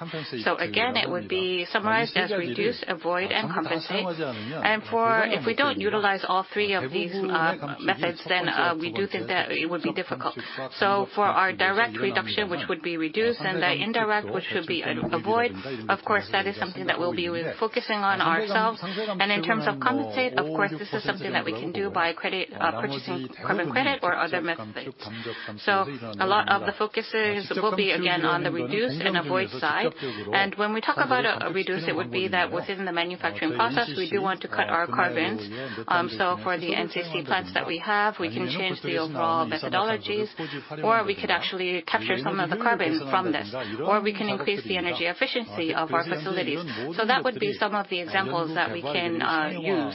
Again, it would be summarized as reduce, avoid, and compensate. If we don't utilize all three of these methods, then we do think that it would be difficult. For our direct reduction, which would be reduce, and the indirect, which would be avoid, of course, that is something that we'll be refocusing on ourselves. In terms of compensation, of course, this is something that we can do by purchasing carbon credits or other methods. A lot of the focus will be again on the reduce and avoid side. When we talk about reduce, it would be that within the manufacturing process, we do want to cut our carbon. For the NCC plants that we have, we can change the overall methodologies, or we could actually capture some of the carbon from this. Or we can increase the energy efficiency of our facilities. That would be some of the examples that we can use.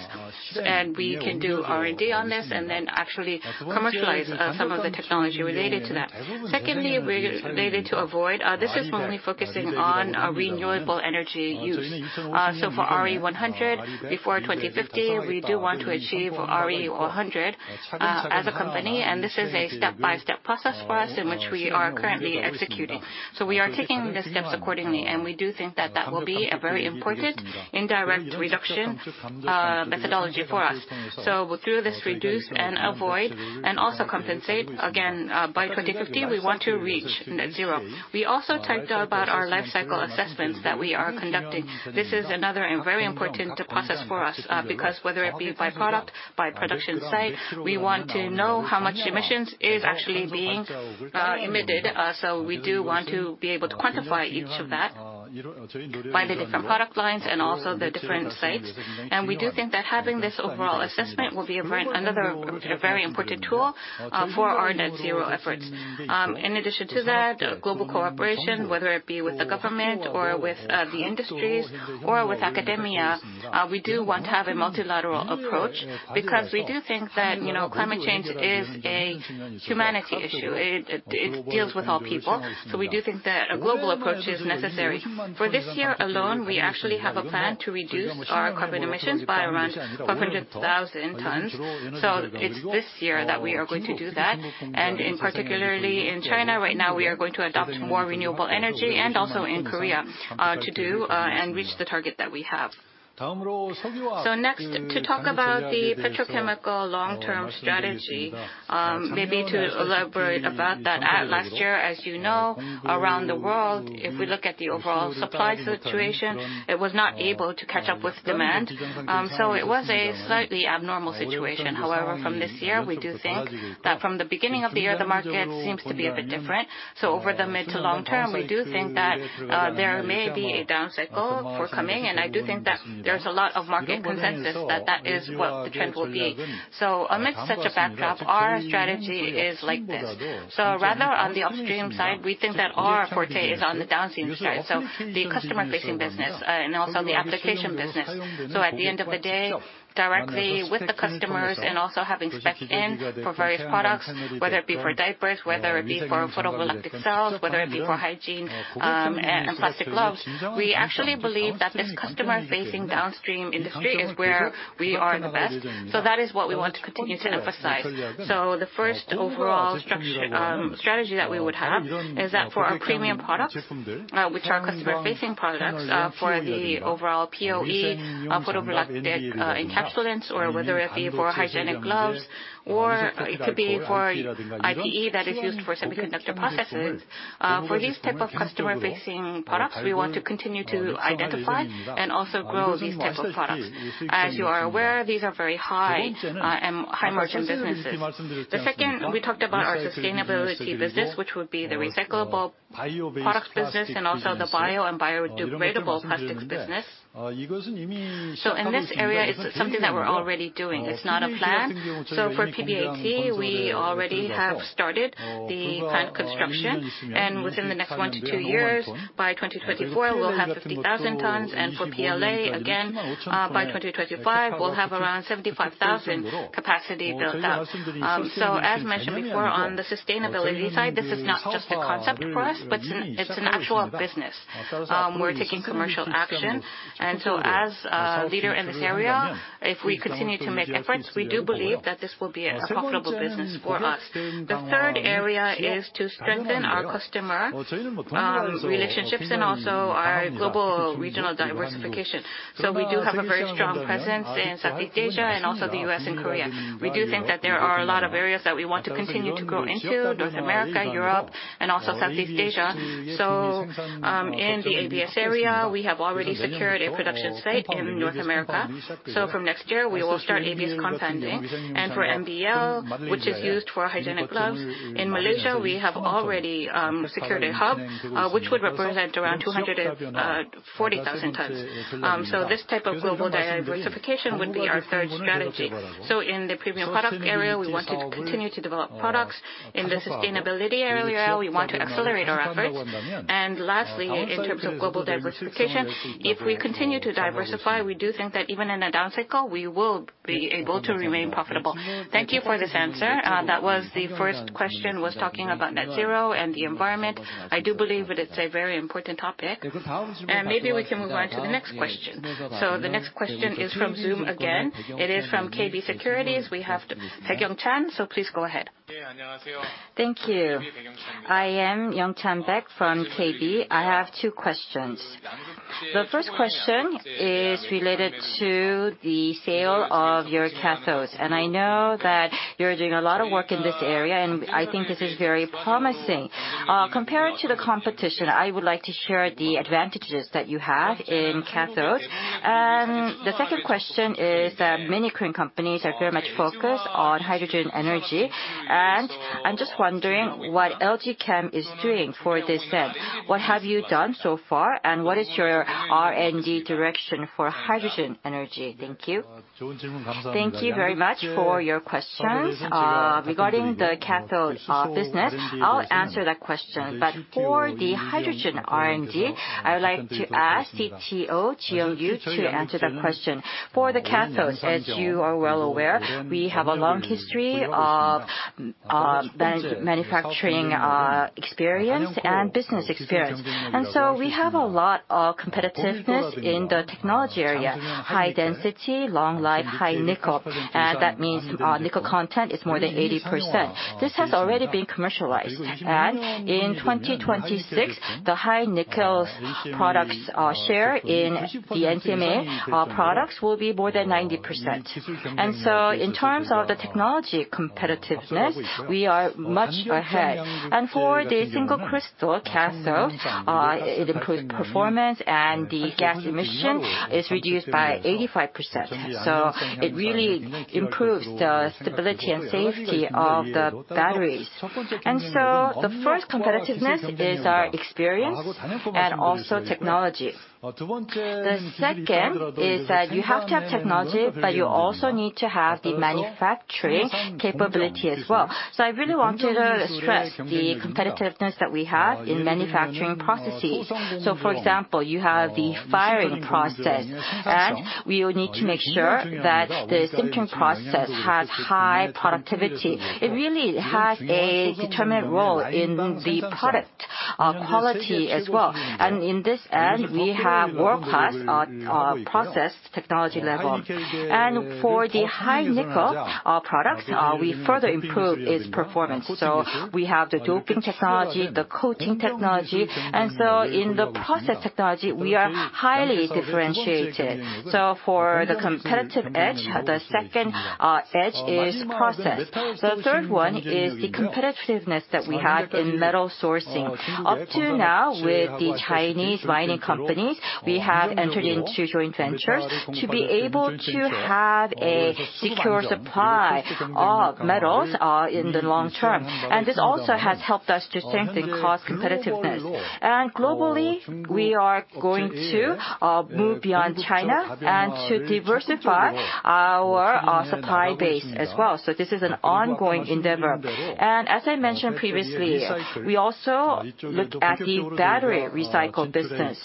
We can do R&D on this and then actually commercialize some of the technology related to that. Secondly, related to avoid, this is mainly focusing on renewable energy use. For RE100, before 2050, we do want to achieve RE100 as a company, and this is a step-by-step process for us in which we are currently executing. We are taking the steps accordingly, and we do think that that will be a very important indirect reduction methodology for us. Through this reduce and avoid and also compensate, again, by 2050 we want to reach net zero. We also talked about our life cycle assessments that we are conducting. This is another and very important process for us, because whether it be by product, by production site, we want to know how much emissions is actually being emitted. We do want to be able to quantify each of that by the different product lines and also the different sites. We do think that having this overall assessment will be a very important tool for our net zero efforts. In addition to that, global cooperation, whether it be with the government or with the industries or with academia, we do want to have a multilateral approach because we do think that, you know, climate change is a humanity issue. It deals with all people. We do think that a global approach is necessary. For this year alone, we actually have a plan to reduce our carbon emissions by around 400,000 tons. It's this year that we are going to do that. In particular in China right now, we are going to adopt more renewable energy and also in Korea to do and reach the target that we have. Next, to talk about the petrochemical long-term strategy, maybe to elaborate about that. Last year, as you know, around the world, if we look at the overall supply situation, it was not able to catch up with demand. It was a slightly abnormal situation. However, from this year, we do think that from the beginning of the year the market seems to be a bit different. Over the mid- to long-term, we do think that there may be a down cycle coming, and I do think that there's a lot of market consensus that is what the trend will be. Amidst such a backdrop, our strategy is like this. Rather on the upstream side, we think that our forte is on the downstream side, so the customer-facing business, and also the application business. At the end of the day, directly with the customers and also having specs in for various products, whether it be for diapers, whether it be for photovoltaic cells, whether it be for hygiene, and plastic gloves, we actually believe that this customer-facing downstream industry is where we are the best. That is what we want to continue to emphasize. The first overall strategy that we would have is that for our premium products, which are customer-facing products, for the overall POE, photovoltaic encapsulants or whether it be for hygienic gloves, or it could be for IPA that is used for semiconductor processes. For these type of customer-facing products, we want to continue to identify and also grow these type of products. As you are aware, these are very high-margin businesses. The second, we talked about our sustainability business, which would be the recyclable products business and also the bio and biodegradable plastics business. In this area, it's something that we're already doing. It's not a plan. For PBAT, we already have started the plant construction, and within the next 1 to 2 years, by 2024, we'll have 50,000 tons. For PLA, again, by 2025, we'll have around 75,000 capacity built out. As mentioned before, on the sustainability side, this is not just a concept for us, but it's an actual business. We're taking commercial action, and as- As a leader in this area, if we continue to make efforts, we do believe that this will be a profitable business for us. The third area is to strengthen our customer relationships and also our global regional diversification. We do have a very strong presence in Southeast Asia and also the U.S. and Korea. We do think that there are a lot of areas that we want to continue to grow into, North America, Europe and also Southeast Asia. In the ABS area, we have already secured a production site in North America. From next year, we will start ABS compounding. For NBL, which is used for hygienic gloves, in Malaysia, we have already secured a hub, which would represent around 240,000 tons. This type of global diversification would be our third strategy. In the premium products area, we want to continue to develop products. In the sustainability area, we want to accelerate our efforts. Lastly, in terms of global diversification, if we continue to diversify, we do think that even in a down cycle, we will be able to remain profitable. Thank you for this answer. That was the first question, was talking about net zero and the environment. I do believe that it's a very important topic. Maybe we can move on to the next question. The next question is from Zoom again. It is from KB Securities. We have Baek Youngchan, so please go ahead. Thank you. I am Youngchan Baek from KB. I have two questions. The first question is related to the sale of your cathodes. I know that you're doing a lot of work in this area, and I think this is very promising. Compared to the competition, I would like to hear the advantages that you have in cathodes. The second question is that many Korean companies are very much focused on hydrogen energy. I'm just wondering what LG Chem is doing for this end. What have you done so far, and what is your R&D direction for hydrogen energy? Thank you. Thank you very much for your questions. Regarding the cathode business, I'll answer that question. For the hydrogen R&D, I would like to ask the CTO, Yoo Ji-young, to answer that question. For the cathodes, as you are well aware, we have a long history of manufacturing experience and business experience. We have a lot of competitiveness in the technology area, high density, long life, high nickel. That means nickel content is more than 80%. This has already been commercialized. In 2026, the high-nickel products share in the NCMA products will be more than 90%. In terms of the technology competitiveness, we are much ahead. For the single crystal cathode, it improves performance, and the gas emission is reduced by 85%. It really improves the stability and safety of the batteries. The first competitiveness is our experience and also technology. The second is that you have to have technology, but you also need to have the manufacturing capability as well. I really want to stress the competitiveness that we have in manufacturing processes. For example, you have the firing process, and we will need to make sure that the sintering process has high productivity. It really has a determinant role in the product quality as well. In the end, we have world-class process technology level. For the high nickel products, we further improve its performance. We have the doping technology, the coating technology. In the process technology, we are highly differentiated. For the competitive edge, the second edge is process. The third one is the competitiveness that we have in metal sourcing. Up to now, with the Chinese mining companies, we have entered into joint ventures to be able to have a secure supply of metals in the long term. This also has helped us to strengthen cost competitiveness. Globally, we are going to move beyond China and to diversify our supply base as well. This is an ongoing endeavor. As I mentioned previously, we also look at the battery recycle business.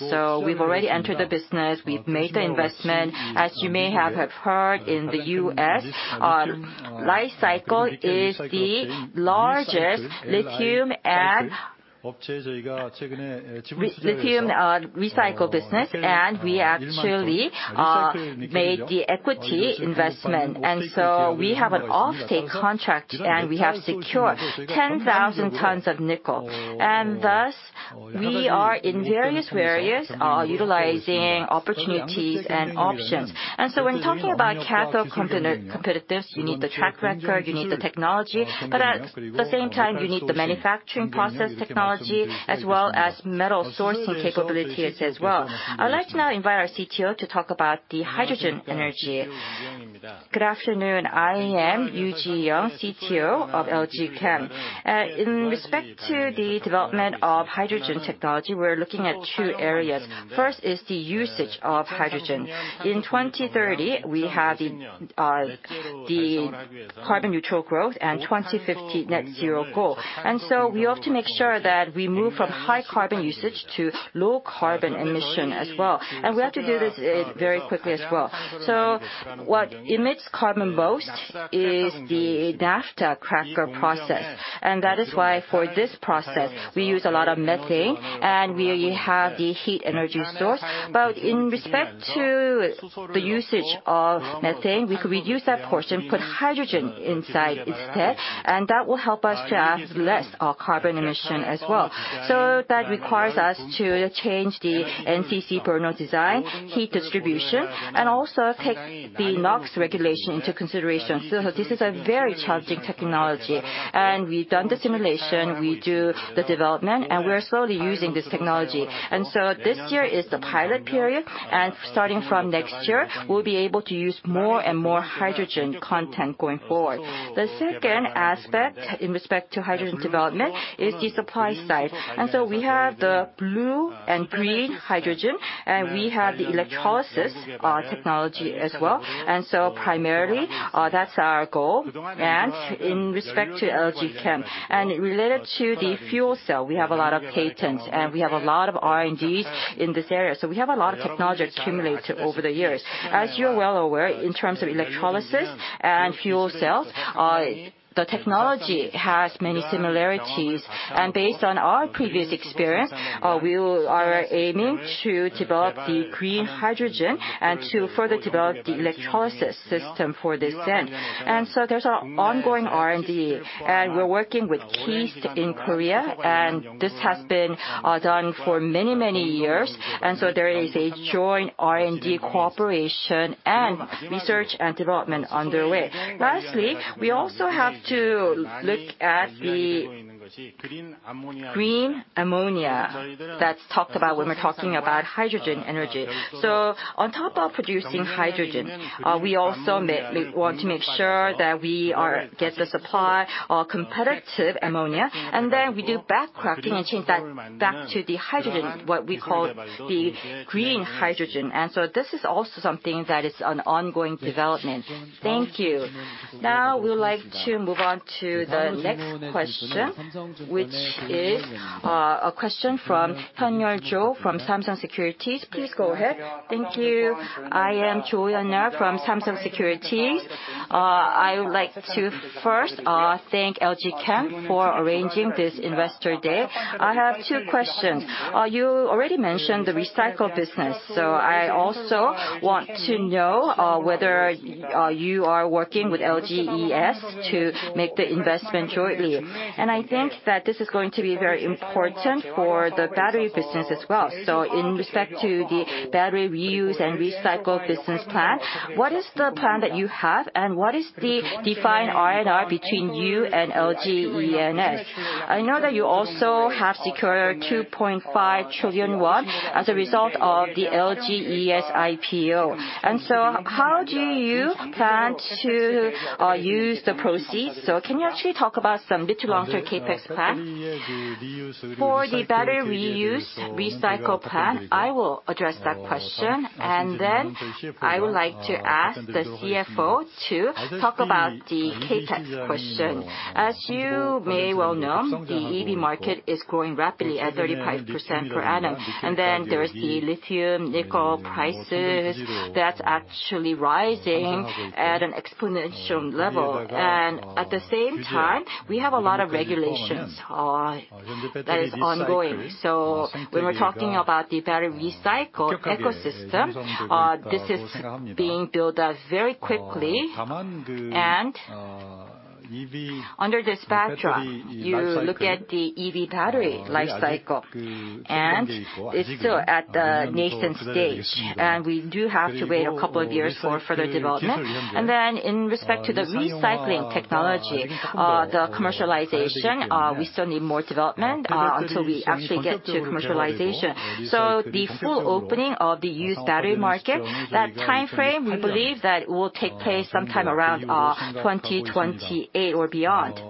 We've already entered the business. We've made the investment. As you may have heard in the U.S., Li-Cycle is the largest lithium recycle business, and we actually made the equity investment. We have an off-take contract, and we have secured 10,000 tons of nickel. We are in various utilizing opportunities and options. When talking about cathode competitiveness, you need the track record, you need the technology, but at the same time, you need the manufacturing process technology as well as metal sourcing capabilities as well. I would like to now invite our CTO to talk about the hydrogen energy. Good afternoon. I am Yoo Ji-young, CTO of LG Chem. In respect to the development of hydrogen technology, we're looking at two areas. First is the usage of hydrogen. In 2030, we have the carbon neutral growth and 2050 net zero goal. We have to make sure that we move from high carbon usage to low carbon emission as well. We have to do this very quickly as well. What emits carbon most is the naphtha cracker process, and that is why for this process, we use a lot of methane, and we have the heat energy source. In respect to the usage of methane, we could reduce that portion, put hydrogen inside instead, and that will help us to have less, carbon emission as well. That requires us to change the NCC burner design, heat distribution, and also take the NOx regulation into consideration. This is a very challenging technology. We've done the simulation, we do the development, and we are slowly using this technology. This year is the pilot period, and starting from next year, we'll be able to use more and more hydrogen content going forward. The second aspect in respect to hydrogen development is the supply side. We have the blue and green hydrogen, and we have the electrolysis technology as well. Primarily, that's our goal. In respect to LG Chem, and related to the fuel cell, we have a lot of patents, and we have a lot of R&Ds in this area. We have a lot of technology accumulated over the years. As you're well aware, in terms of electrolysis and fuel cells, the technology has many similarities. Based on our previous experience, we are aiming to develop the green hydrogen and to further develop the electrolysis system for this end. There's an ongoing R&D, and we're working with KIST in Korea, and this has been done for many, many years. There is a joint R&D cooperation and research and development underway. Lastly, we also have to look at the green ammonia that's talked about when we're talking about hydrogen energy. On top of producing hydrogen, we also want to make sure that we get the supply of competitive ammonia, and then we do back cracking and change that back to the hydrogen, what we call the green hydrogen. This is also something that is an ongoing development. Thank you. Now we would like to move on to the next question, which is a question from Hyunryul Cho from Samsung Securities. Please go ahead. Thank you. I am Cho Hyunryul from Samsung Securities. I would like to first thank LG Chem for arranging this Investor Day. I have two questions. You already mentioned the recycling business, so I also want to know whether you are working with LGES to make the investment jointly. I think that this is going to be very important for the battery business as well. In respect to the battery reuse and recycle business plan, what is the plan that you have, and what is the defined R&R between you and LGES? I know that you also have secured 2.5 trillion won as a result of the LGES IPO. How do you plan to use the proceeds? Can you actually talk about some mid to longer CapEx plan? For the battery reuse recycle plan, I will address that question. Then I would like to ask the CFO to talk about the CapEx question. As you may well know, the EV market is growing rapidly at 35% per annum. Then there is the lithium nickel prices that's actually rising at an exponential level. At the same time, we have a lot of regulations that is ongoing. When we're talking about the battery recycling ecosystem, this is being built up very quickly. Under this backdrop, you look at the EV battery life cycle, and it's still at the nascent stage, and we do have to wait a couple of years for further development. Then in respect to the recycling technology, the commercialization, we still need more development until we actually get to commercialization. The full opening of the used battery market, that timeframe, we believe that it will take place sometime around 2028 or beyond.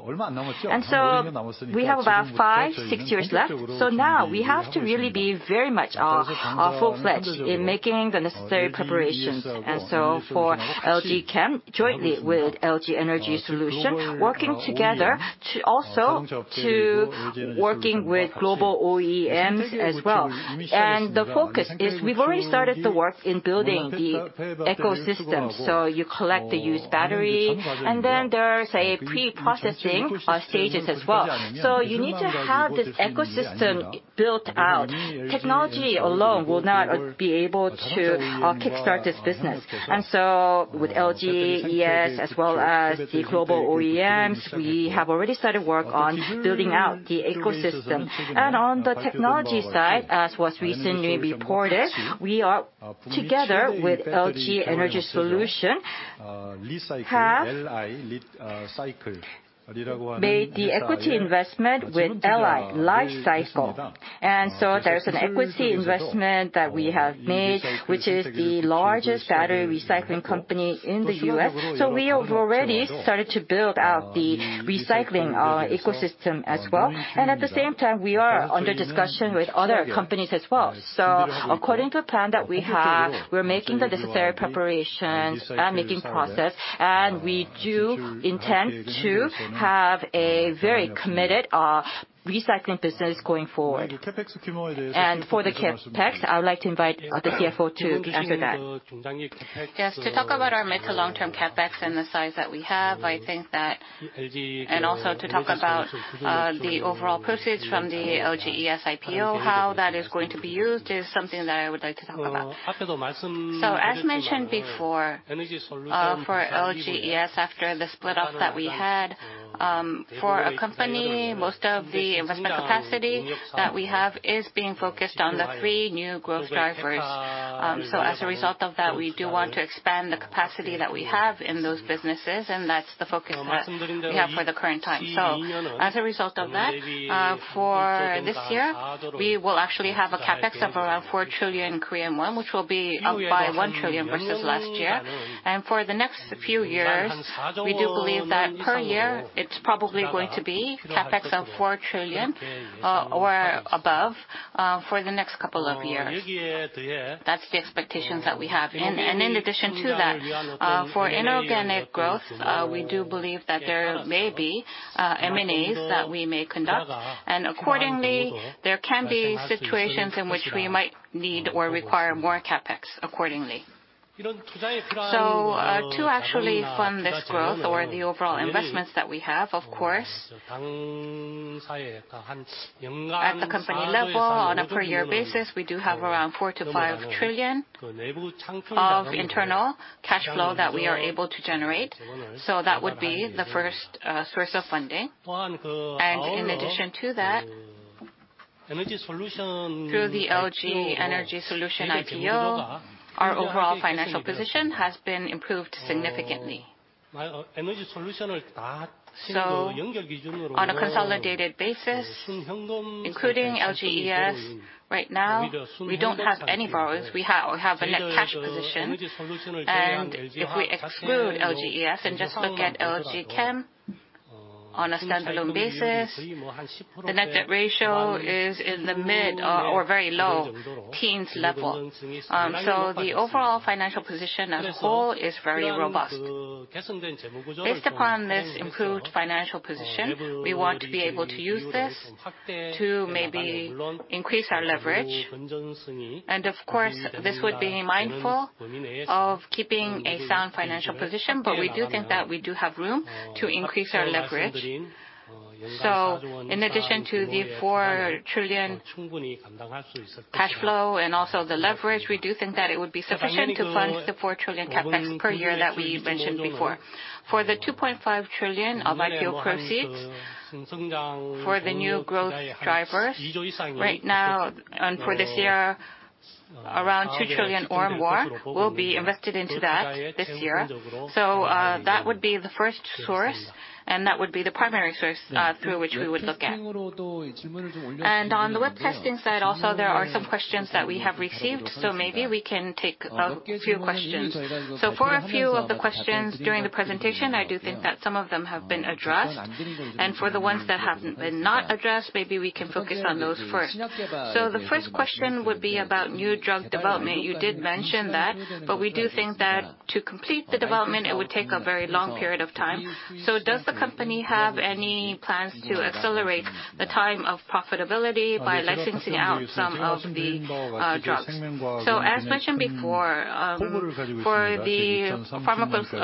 We have about 5, 6 years left. Now we have to really be very much full-fledged in making the necessary preparations. For LG Chem, jointly with LG Energy Solution, working with global OEMs as well. The focus is we've already started the work in building the ecosystem. You collect the used battery, and then there's a preprocessing stages as well. You need to have this ecosystem built out. Technology alone will not be able to kickstart this business. With LGES as well as the global OEMs, we have already started work on building out the ecosystem. On the technology side, as was recently reported, we are together with LG Energy Solution, have made the equity investment with Li-Cycle. There's an equity investment that we have made, which is the largest battery recycling company in the U.S. We have already started to build out the recycling ecosystem as well. At the same time, we are under discussion with other companies as well. According to the plan that we have, we're making the necessary preparations and making progress, and we do intend to have a very committed recycling business going forward. For the CapEx, I would like to invite the CFO to answer that. Yes. To talk about our mid- to long-term CapEx and the size that we have, I think that. Also to talk about the overall proceeds from the LGES IPO, how that is going to be used is something that I would like to talk about. As mentioned before, for LGES, after the split off that we had, for our company, most of the investment capacity that we have is being focused on the three new growth drivers. As a result of that, we do want to expand the capacity that we have in those businesses, and that's the focus that we have for the current time. As a result of that, for this year, we will actually have a CapEx of around 4 trillion Korean won, which will be up by 1 trillion versus last year. For the next few years, we do believe that per year, it's probably going to be CapEx of 4 trillion or above for the next couple of years. That's the expectations that we have. In addition to that, for inorganic growth, we do believe that there may be M&As that we may conduct. Accordingly, there can be situations in which we might need or require more CapEx accordingly. To actually fund this growth or the overall investments that we have, of course, at the company level, on a per year basis, we do have around 4-5 trillion of internal cash flow that we are able to generate. That would be the first source of funding. In addition to that, through the LG Energy Solution IPO, our overall financial position has been improved significantly. On a consolidated basis, including LGES right now, we don't have any borrowers. We have a net cash position. If we exclude LGES and just look at LG Chem on a standalone basis, the net debt ratio is in the mid or very low teens level. The overall financial position as a whole is very robust. Based upon this improved financial position, we want to be able to use this to maybe increase our leverage. Of course, this would be mindful of keeping a sound financial position, but we do think that we do have room to increase our leverage. In addition to the 4 trillion cash flow and also the leverage, we do think that it would be sufficient to fund the 4 trillion CapEx per year that we mentioned before. For the 2.5 trillion of IPO proceeds for the new growth drivers right now and for this year. Around 2 trillion or more will be invested into that this year. That would be the first source, and that would be the primary source, through which we would look at. On the webcasting side also, there are some questions that we have received, so maybe we can take a few questions. For a few of the questions during the presentation, I do think that some of them have been addressed. For the ones that have been not addressed, maybe we can focus on those first. The first question would be about new drug development. You did mention that, but we do think that to complete the development, it would take a very long period of time. Does the company have any plans to accelerate the time of profitability by licensing out some of the drugs? As mentioned before, for the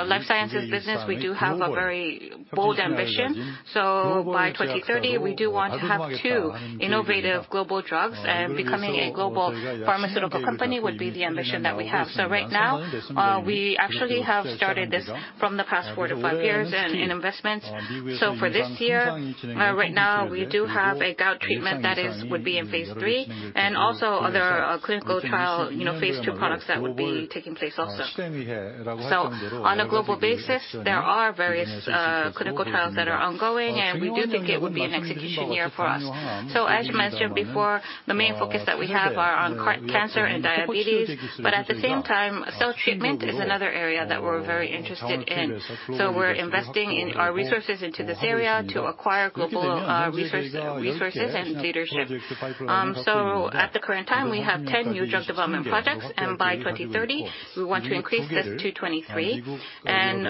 life sciences business, we do have a very bold ambition. By 2030, we do want to have two innovative global drugs, and becoming a global pharmaceutical company would be the ambition that we have. Right now, we actually have started this from the past four to five years in investments. For this year, right now we do have a gout treatment that would be in phase III, and also other clinical trial phase II products that would be taking place also. On a global basis, there are various clinical trials that are ongoing, and we do think it would be an execution year for us. As mentioned before, the main focus that we have are on cancer and diabetes, but at the same time, cell treatment is another area that we're very interested in. We're investing in our resources into this area to acquire global, resources and leadership. At the current time, we have 10 new drug development projects, and by 2030 we want to increase this to 23.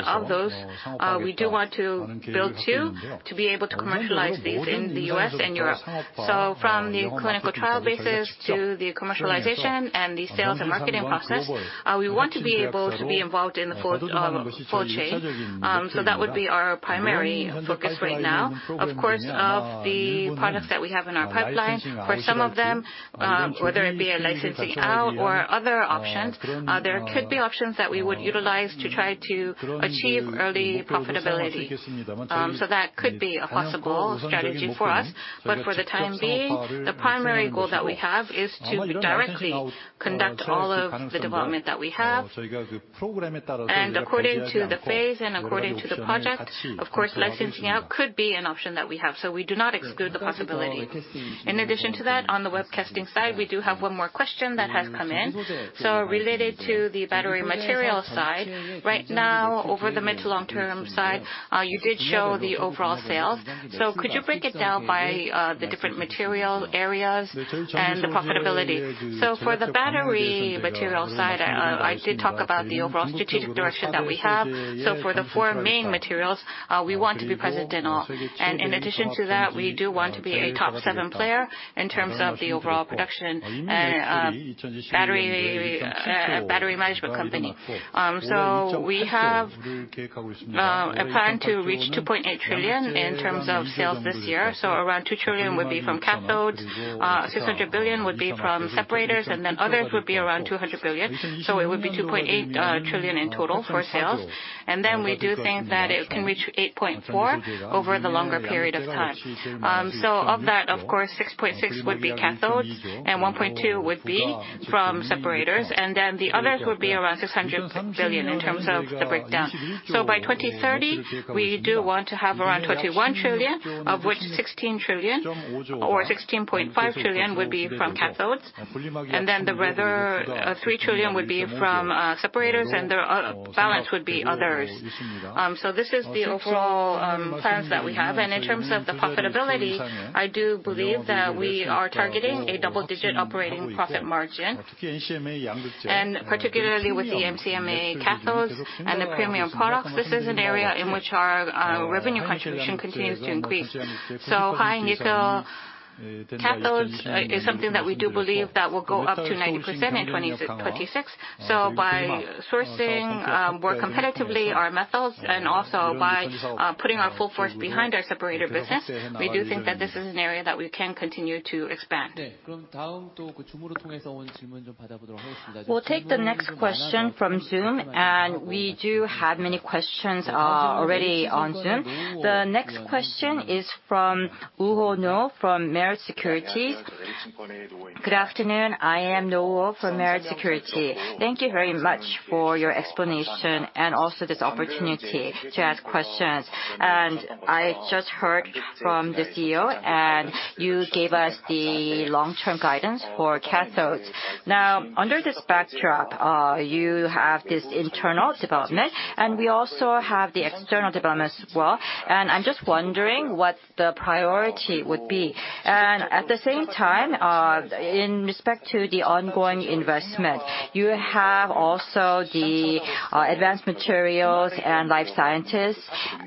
Of those, we do want to build 2 to be able to commercialize these in the U.S. and Europe. From the clinical trial basis to the commercialization and the sales and marketing process, we want to be able to be involved in the full chain. That would be our primary focus right now. Of course, of the products that we have in our pipeline, for some of them, whether it be a licensing out or other options, there could be options that we would utilize to try to achieve early profitability. That could be a possible strategy for us. For the time being, the primary goal that we have is to directly conduct all of the development that we have. According to the phase and according to the project, of course, licensing out could be an option that we have. We do not exclude the possibility. In addition to that, on the webcasting side, we do have one more question that has come in. Related to the battery material side, right now over the mid to long-term side, you did show the overall sales. Could you break it down by the different material areas and the profitability? For the battery material side, I did talk about the overall strategic direction that we have. For the four main materials, we want to be preeminent. In addition to that, we do want to be a top seven player in terms of the overall production and battery materials company. We have a plan to reach 2.8 trillion in terms of sales this year. Around 2 trillion would be from cathodes. 600 billion would be from separators, and then others would be around 200 billion. It would be 2.8 trillion in total for sales. We do think that it can reach 8.4 trillion over the longer period of time. Of that, of course, 6.6 would be cathodes, and 1.2 would be from separators, and then the others would be around 600 billion in terms of the breakdown. By 2030, we do want to have around 21 trillion, of which 16 trillion or 16.5 trillion would be from cathodes. Then the other 3 trillion would be from separators, and the balance would be others. This is the overall plans that we have. In terms of the profitability, I do believe that we are targeting a double-digit operating profit margin. Particularly with the NCMA cathodes and the premium products, this is an area in which our revenue contribution continues to increase. High nickel cathodes is something that we do believe that will go up to 90% in 2026. By sourcing more competitively our methods and also by putting our full force behind our separator business, we do think that this is an area that we can continue to expand. We'll take the next question from Zoom, and we do have many questions already on Zoom. The next question is from Woo-ho Noh from Meritz Securities. Good afternoon. I am Woo-ho from Meritz Securities. Thank you very much for your explanation and also this opportunity to ask questions. I just heard from the CEO, and you gave us the long-term guidance for cathodes. Now, under this backdrop, you have this internal development, and we also have the external development as well. I'm just wondering what the priority would be. At the same time, in respect to the ongoing investment, you have also the advanced materials and life sciences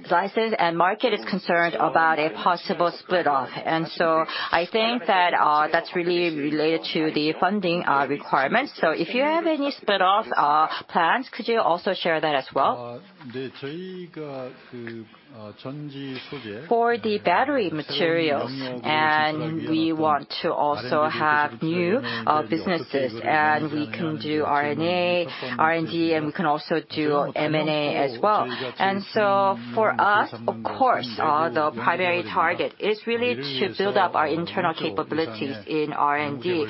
business, and the market is concerned about a possible spin-off. I think that that's really related to the funding requirements. If you have any spin-off plans, could you also share that as well? For the battery materials, we want to also have new businesses, and we can do R&D, and we can also do M&A as well. For us, of course, the primary target is really to build up our internal capabilities in R&D.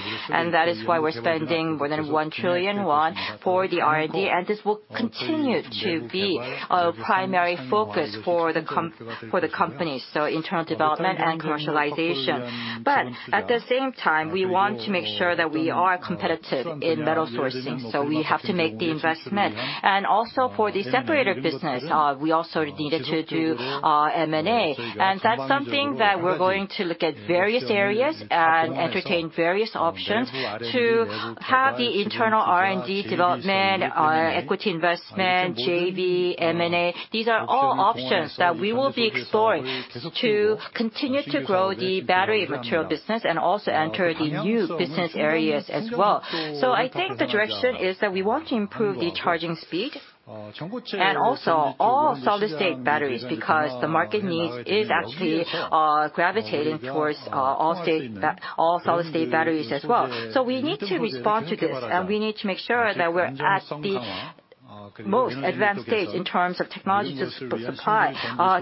That is why we're spending more than 1 trillion won for the R&D. This will continue to be a primary focus for the company, so internal development and commercialization. At the same time, we want to make sure that we are competitive in metal sourcing, so we have to make the investment. Also for the separator business, we also needed to do M&A. That's something that we're going to look at various areas and entertain various options to have the internal R&D development, equity investment, JV, M&A. These are all options that we will be exploring to continue to grow the battery material business and also enter the new business areas as well. I think the direction is that we want to improve the charging speed and also all solid state batteries, because the market needs is actually gravitating towards all solid state batteries as well. We need to respond to this, and we need to make sure that we're at the most advanced stage in terms of technology to supply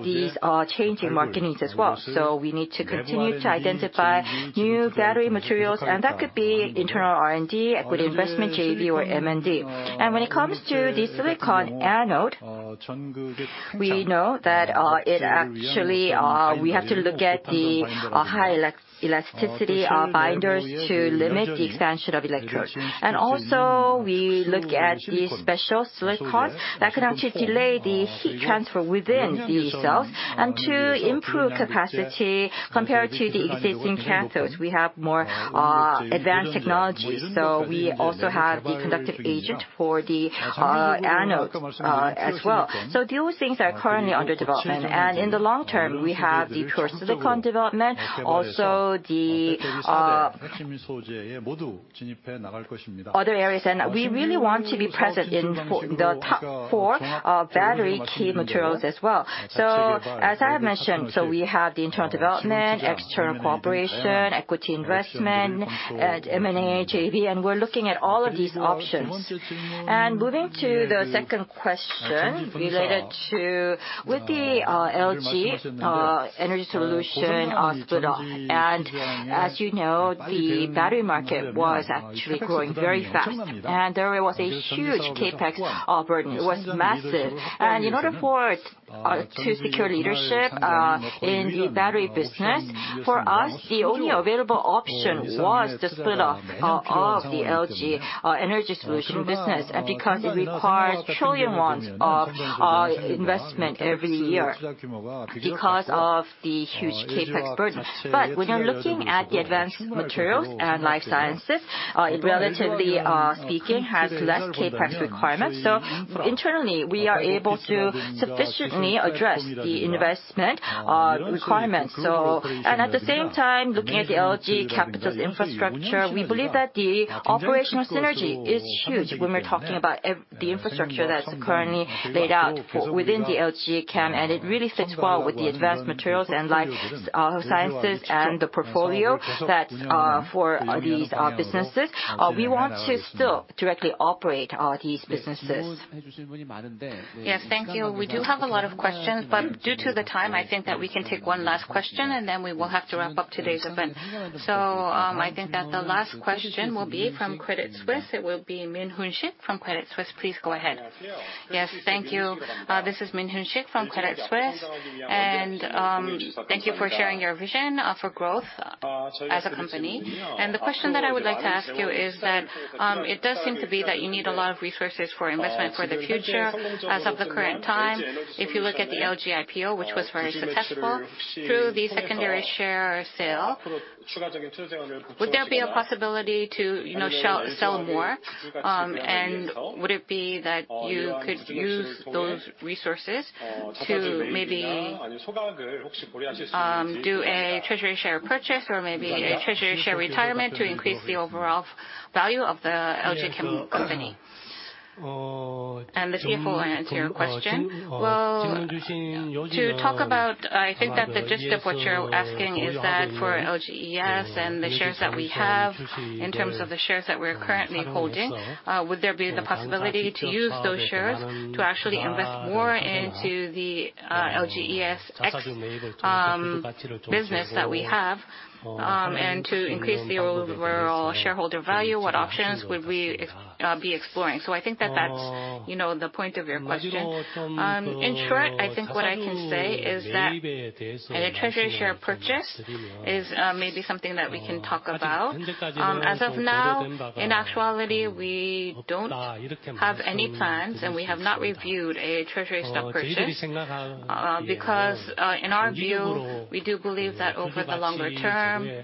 these changing market needs as well. We need to continue to identify new battery materials, and that could be internal R&D, equity investment, JV or M&A. When it comes to the silicon anode, we know that it actually we have to look at the high elasticity binders to limit the expansion of electrodes. We also look at the special silicon that can actually delay the heat transfer within the cells, and to improve capacity compared to the existing cathodes. We have more advanced technology. We also have the conductive agent for the anodes as well. Those things are currently under development. In the long term, we have the pure silicon development, also the other areas. We really want to be present in the top four battery key materials as well. As I have mentioned, so we have the internal development, external cooperation, equity investment, M&A, JV, and we're looking at all of these options. Moving to the second question related to the LG Energy Solution split off. As you know, the battery market was actually growing very fast, and there was a huge CapEx burden. It was massive. In order for it to secure leadership in the battery business, for us, the only available option was the split off of the LG Energy Solution business. Because it requires 1 trillion of investment every year because of the huge CapEx burden. When you're looking at the advanced materials and life sciences, it, relatively speaking, has less CapEx requirements. Internally, we are able to sufficiently address the investment requirements. At the same time, looking at the LG Capital's infrastructure, we believe that the operational synergy is huge when we're talking about the infrastructure that's currently laid out for within the LG Chem. It really fits well with the advanced materials and life sciences and the portfolio that for these businesses. We want to still directly operate these businesses. Yes, thank you. We do have a lot of questions, but due to the time, I think that we can take one last question, and then we will have to wrap up today's event. I think that the last question will be from Credit Suisse. It will be Min Hoonsik from Credit Suisse. Please go ahead. Yes, thank you. This is Min Hoonsik from Credit Suisse. Thank you for sharing your vision for growth as a company. The question that I would like to ask you is that it does seem to be that you need a lot of resources for investment for the future. As of the current time, if you look at the LG IPO, which was very successful through the secondary share sale, would there be a possibility to, you know, sell more? Would it be that you could use those resources to maybe do a treasury share purchase or maybe a treasury share retirement to increase the overall value of the LG Chem company? Cha Dong-seok will answer your question. To talk about I think that the gist of what you're asking is that for LGES and the shares that we have, in terms of the shares that we're currently holding, would there be the possibility to use those shares to actually invest more into the LGES X business that we have, and to increase the overall shareholder value, what options would we be exploring? I think that that's, you know, the point of your question. In short, I think what I can say is that a treasury share purchase is maybe something that we can talk about. As of now, in actuality, we don't have any plans, and we have not reviewed a treasury stock purchase, because, in our view, we do believe that over the longer term,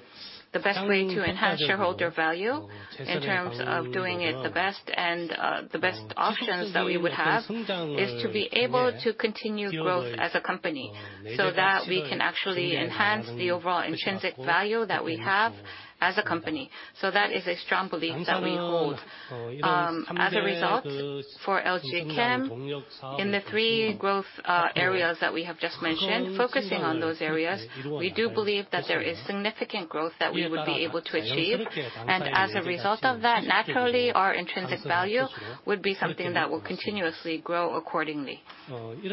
the best way to enhance shareholder value in terms of doing it the best options that we would have, is to be able to continue growth as a company, so that we can actually enhance the overall intrinsic value that we have as a company. That is a strong belief that we hold. As a result, for LG Chem, in the three growth areas that we have just mentioned, focusing on those areas, we do believe that there is significant growth that we would be able to achieve. As a result of that, naturally, our intrinsic value would be something that will continuously grow accordingly. In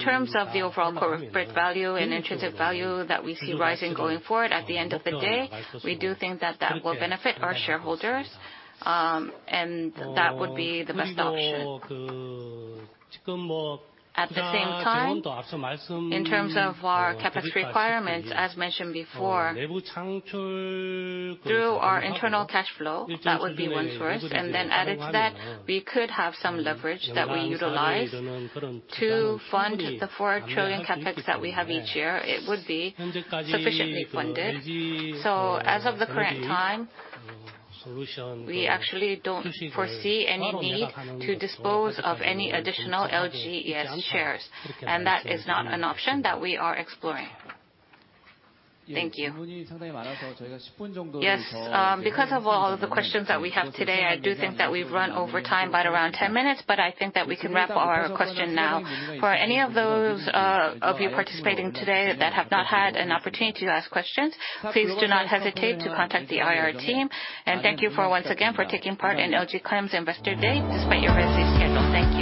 terms of the overall corporate value and intrinsic value that we see rising going forward, at the end of the day, we do think that that will benefit our shareholders, and that would be the best option. At the same time, in terms of our CapEx requirements, as mentioned before, through our internal cash flow, that would be one source. Then added to that, we could have some leverage that we utilize to fund the 4 trillion CapEx that we have each year. It would be sufficiently funded. As of the current time, we actually don't foresee any need to dispose of any additional LGES shares, and that is not an option that we are exploring. Thank you. Yes. Because of all of the questions that we have today, I do think that we've run over time by around 10 minutes, but I think that we can wrap our question now. For any of those of you participating today that have not had an opportunity to ask questions, please do not hesitate to contact the IR team. Thank you once again for taking part in LG Chem's Investor Day despite your busy schedule. Thank you.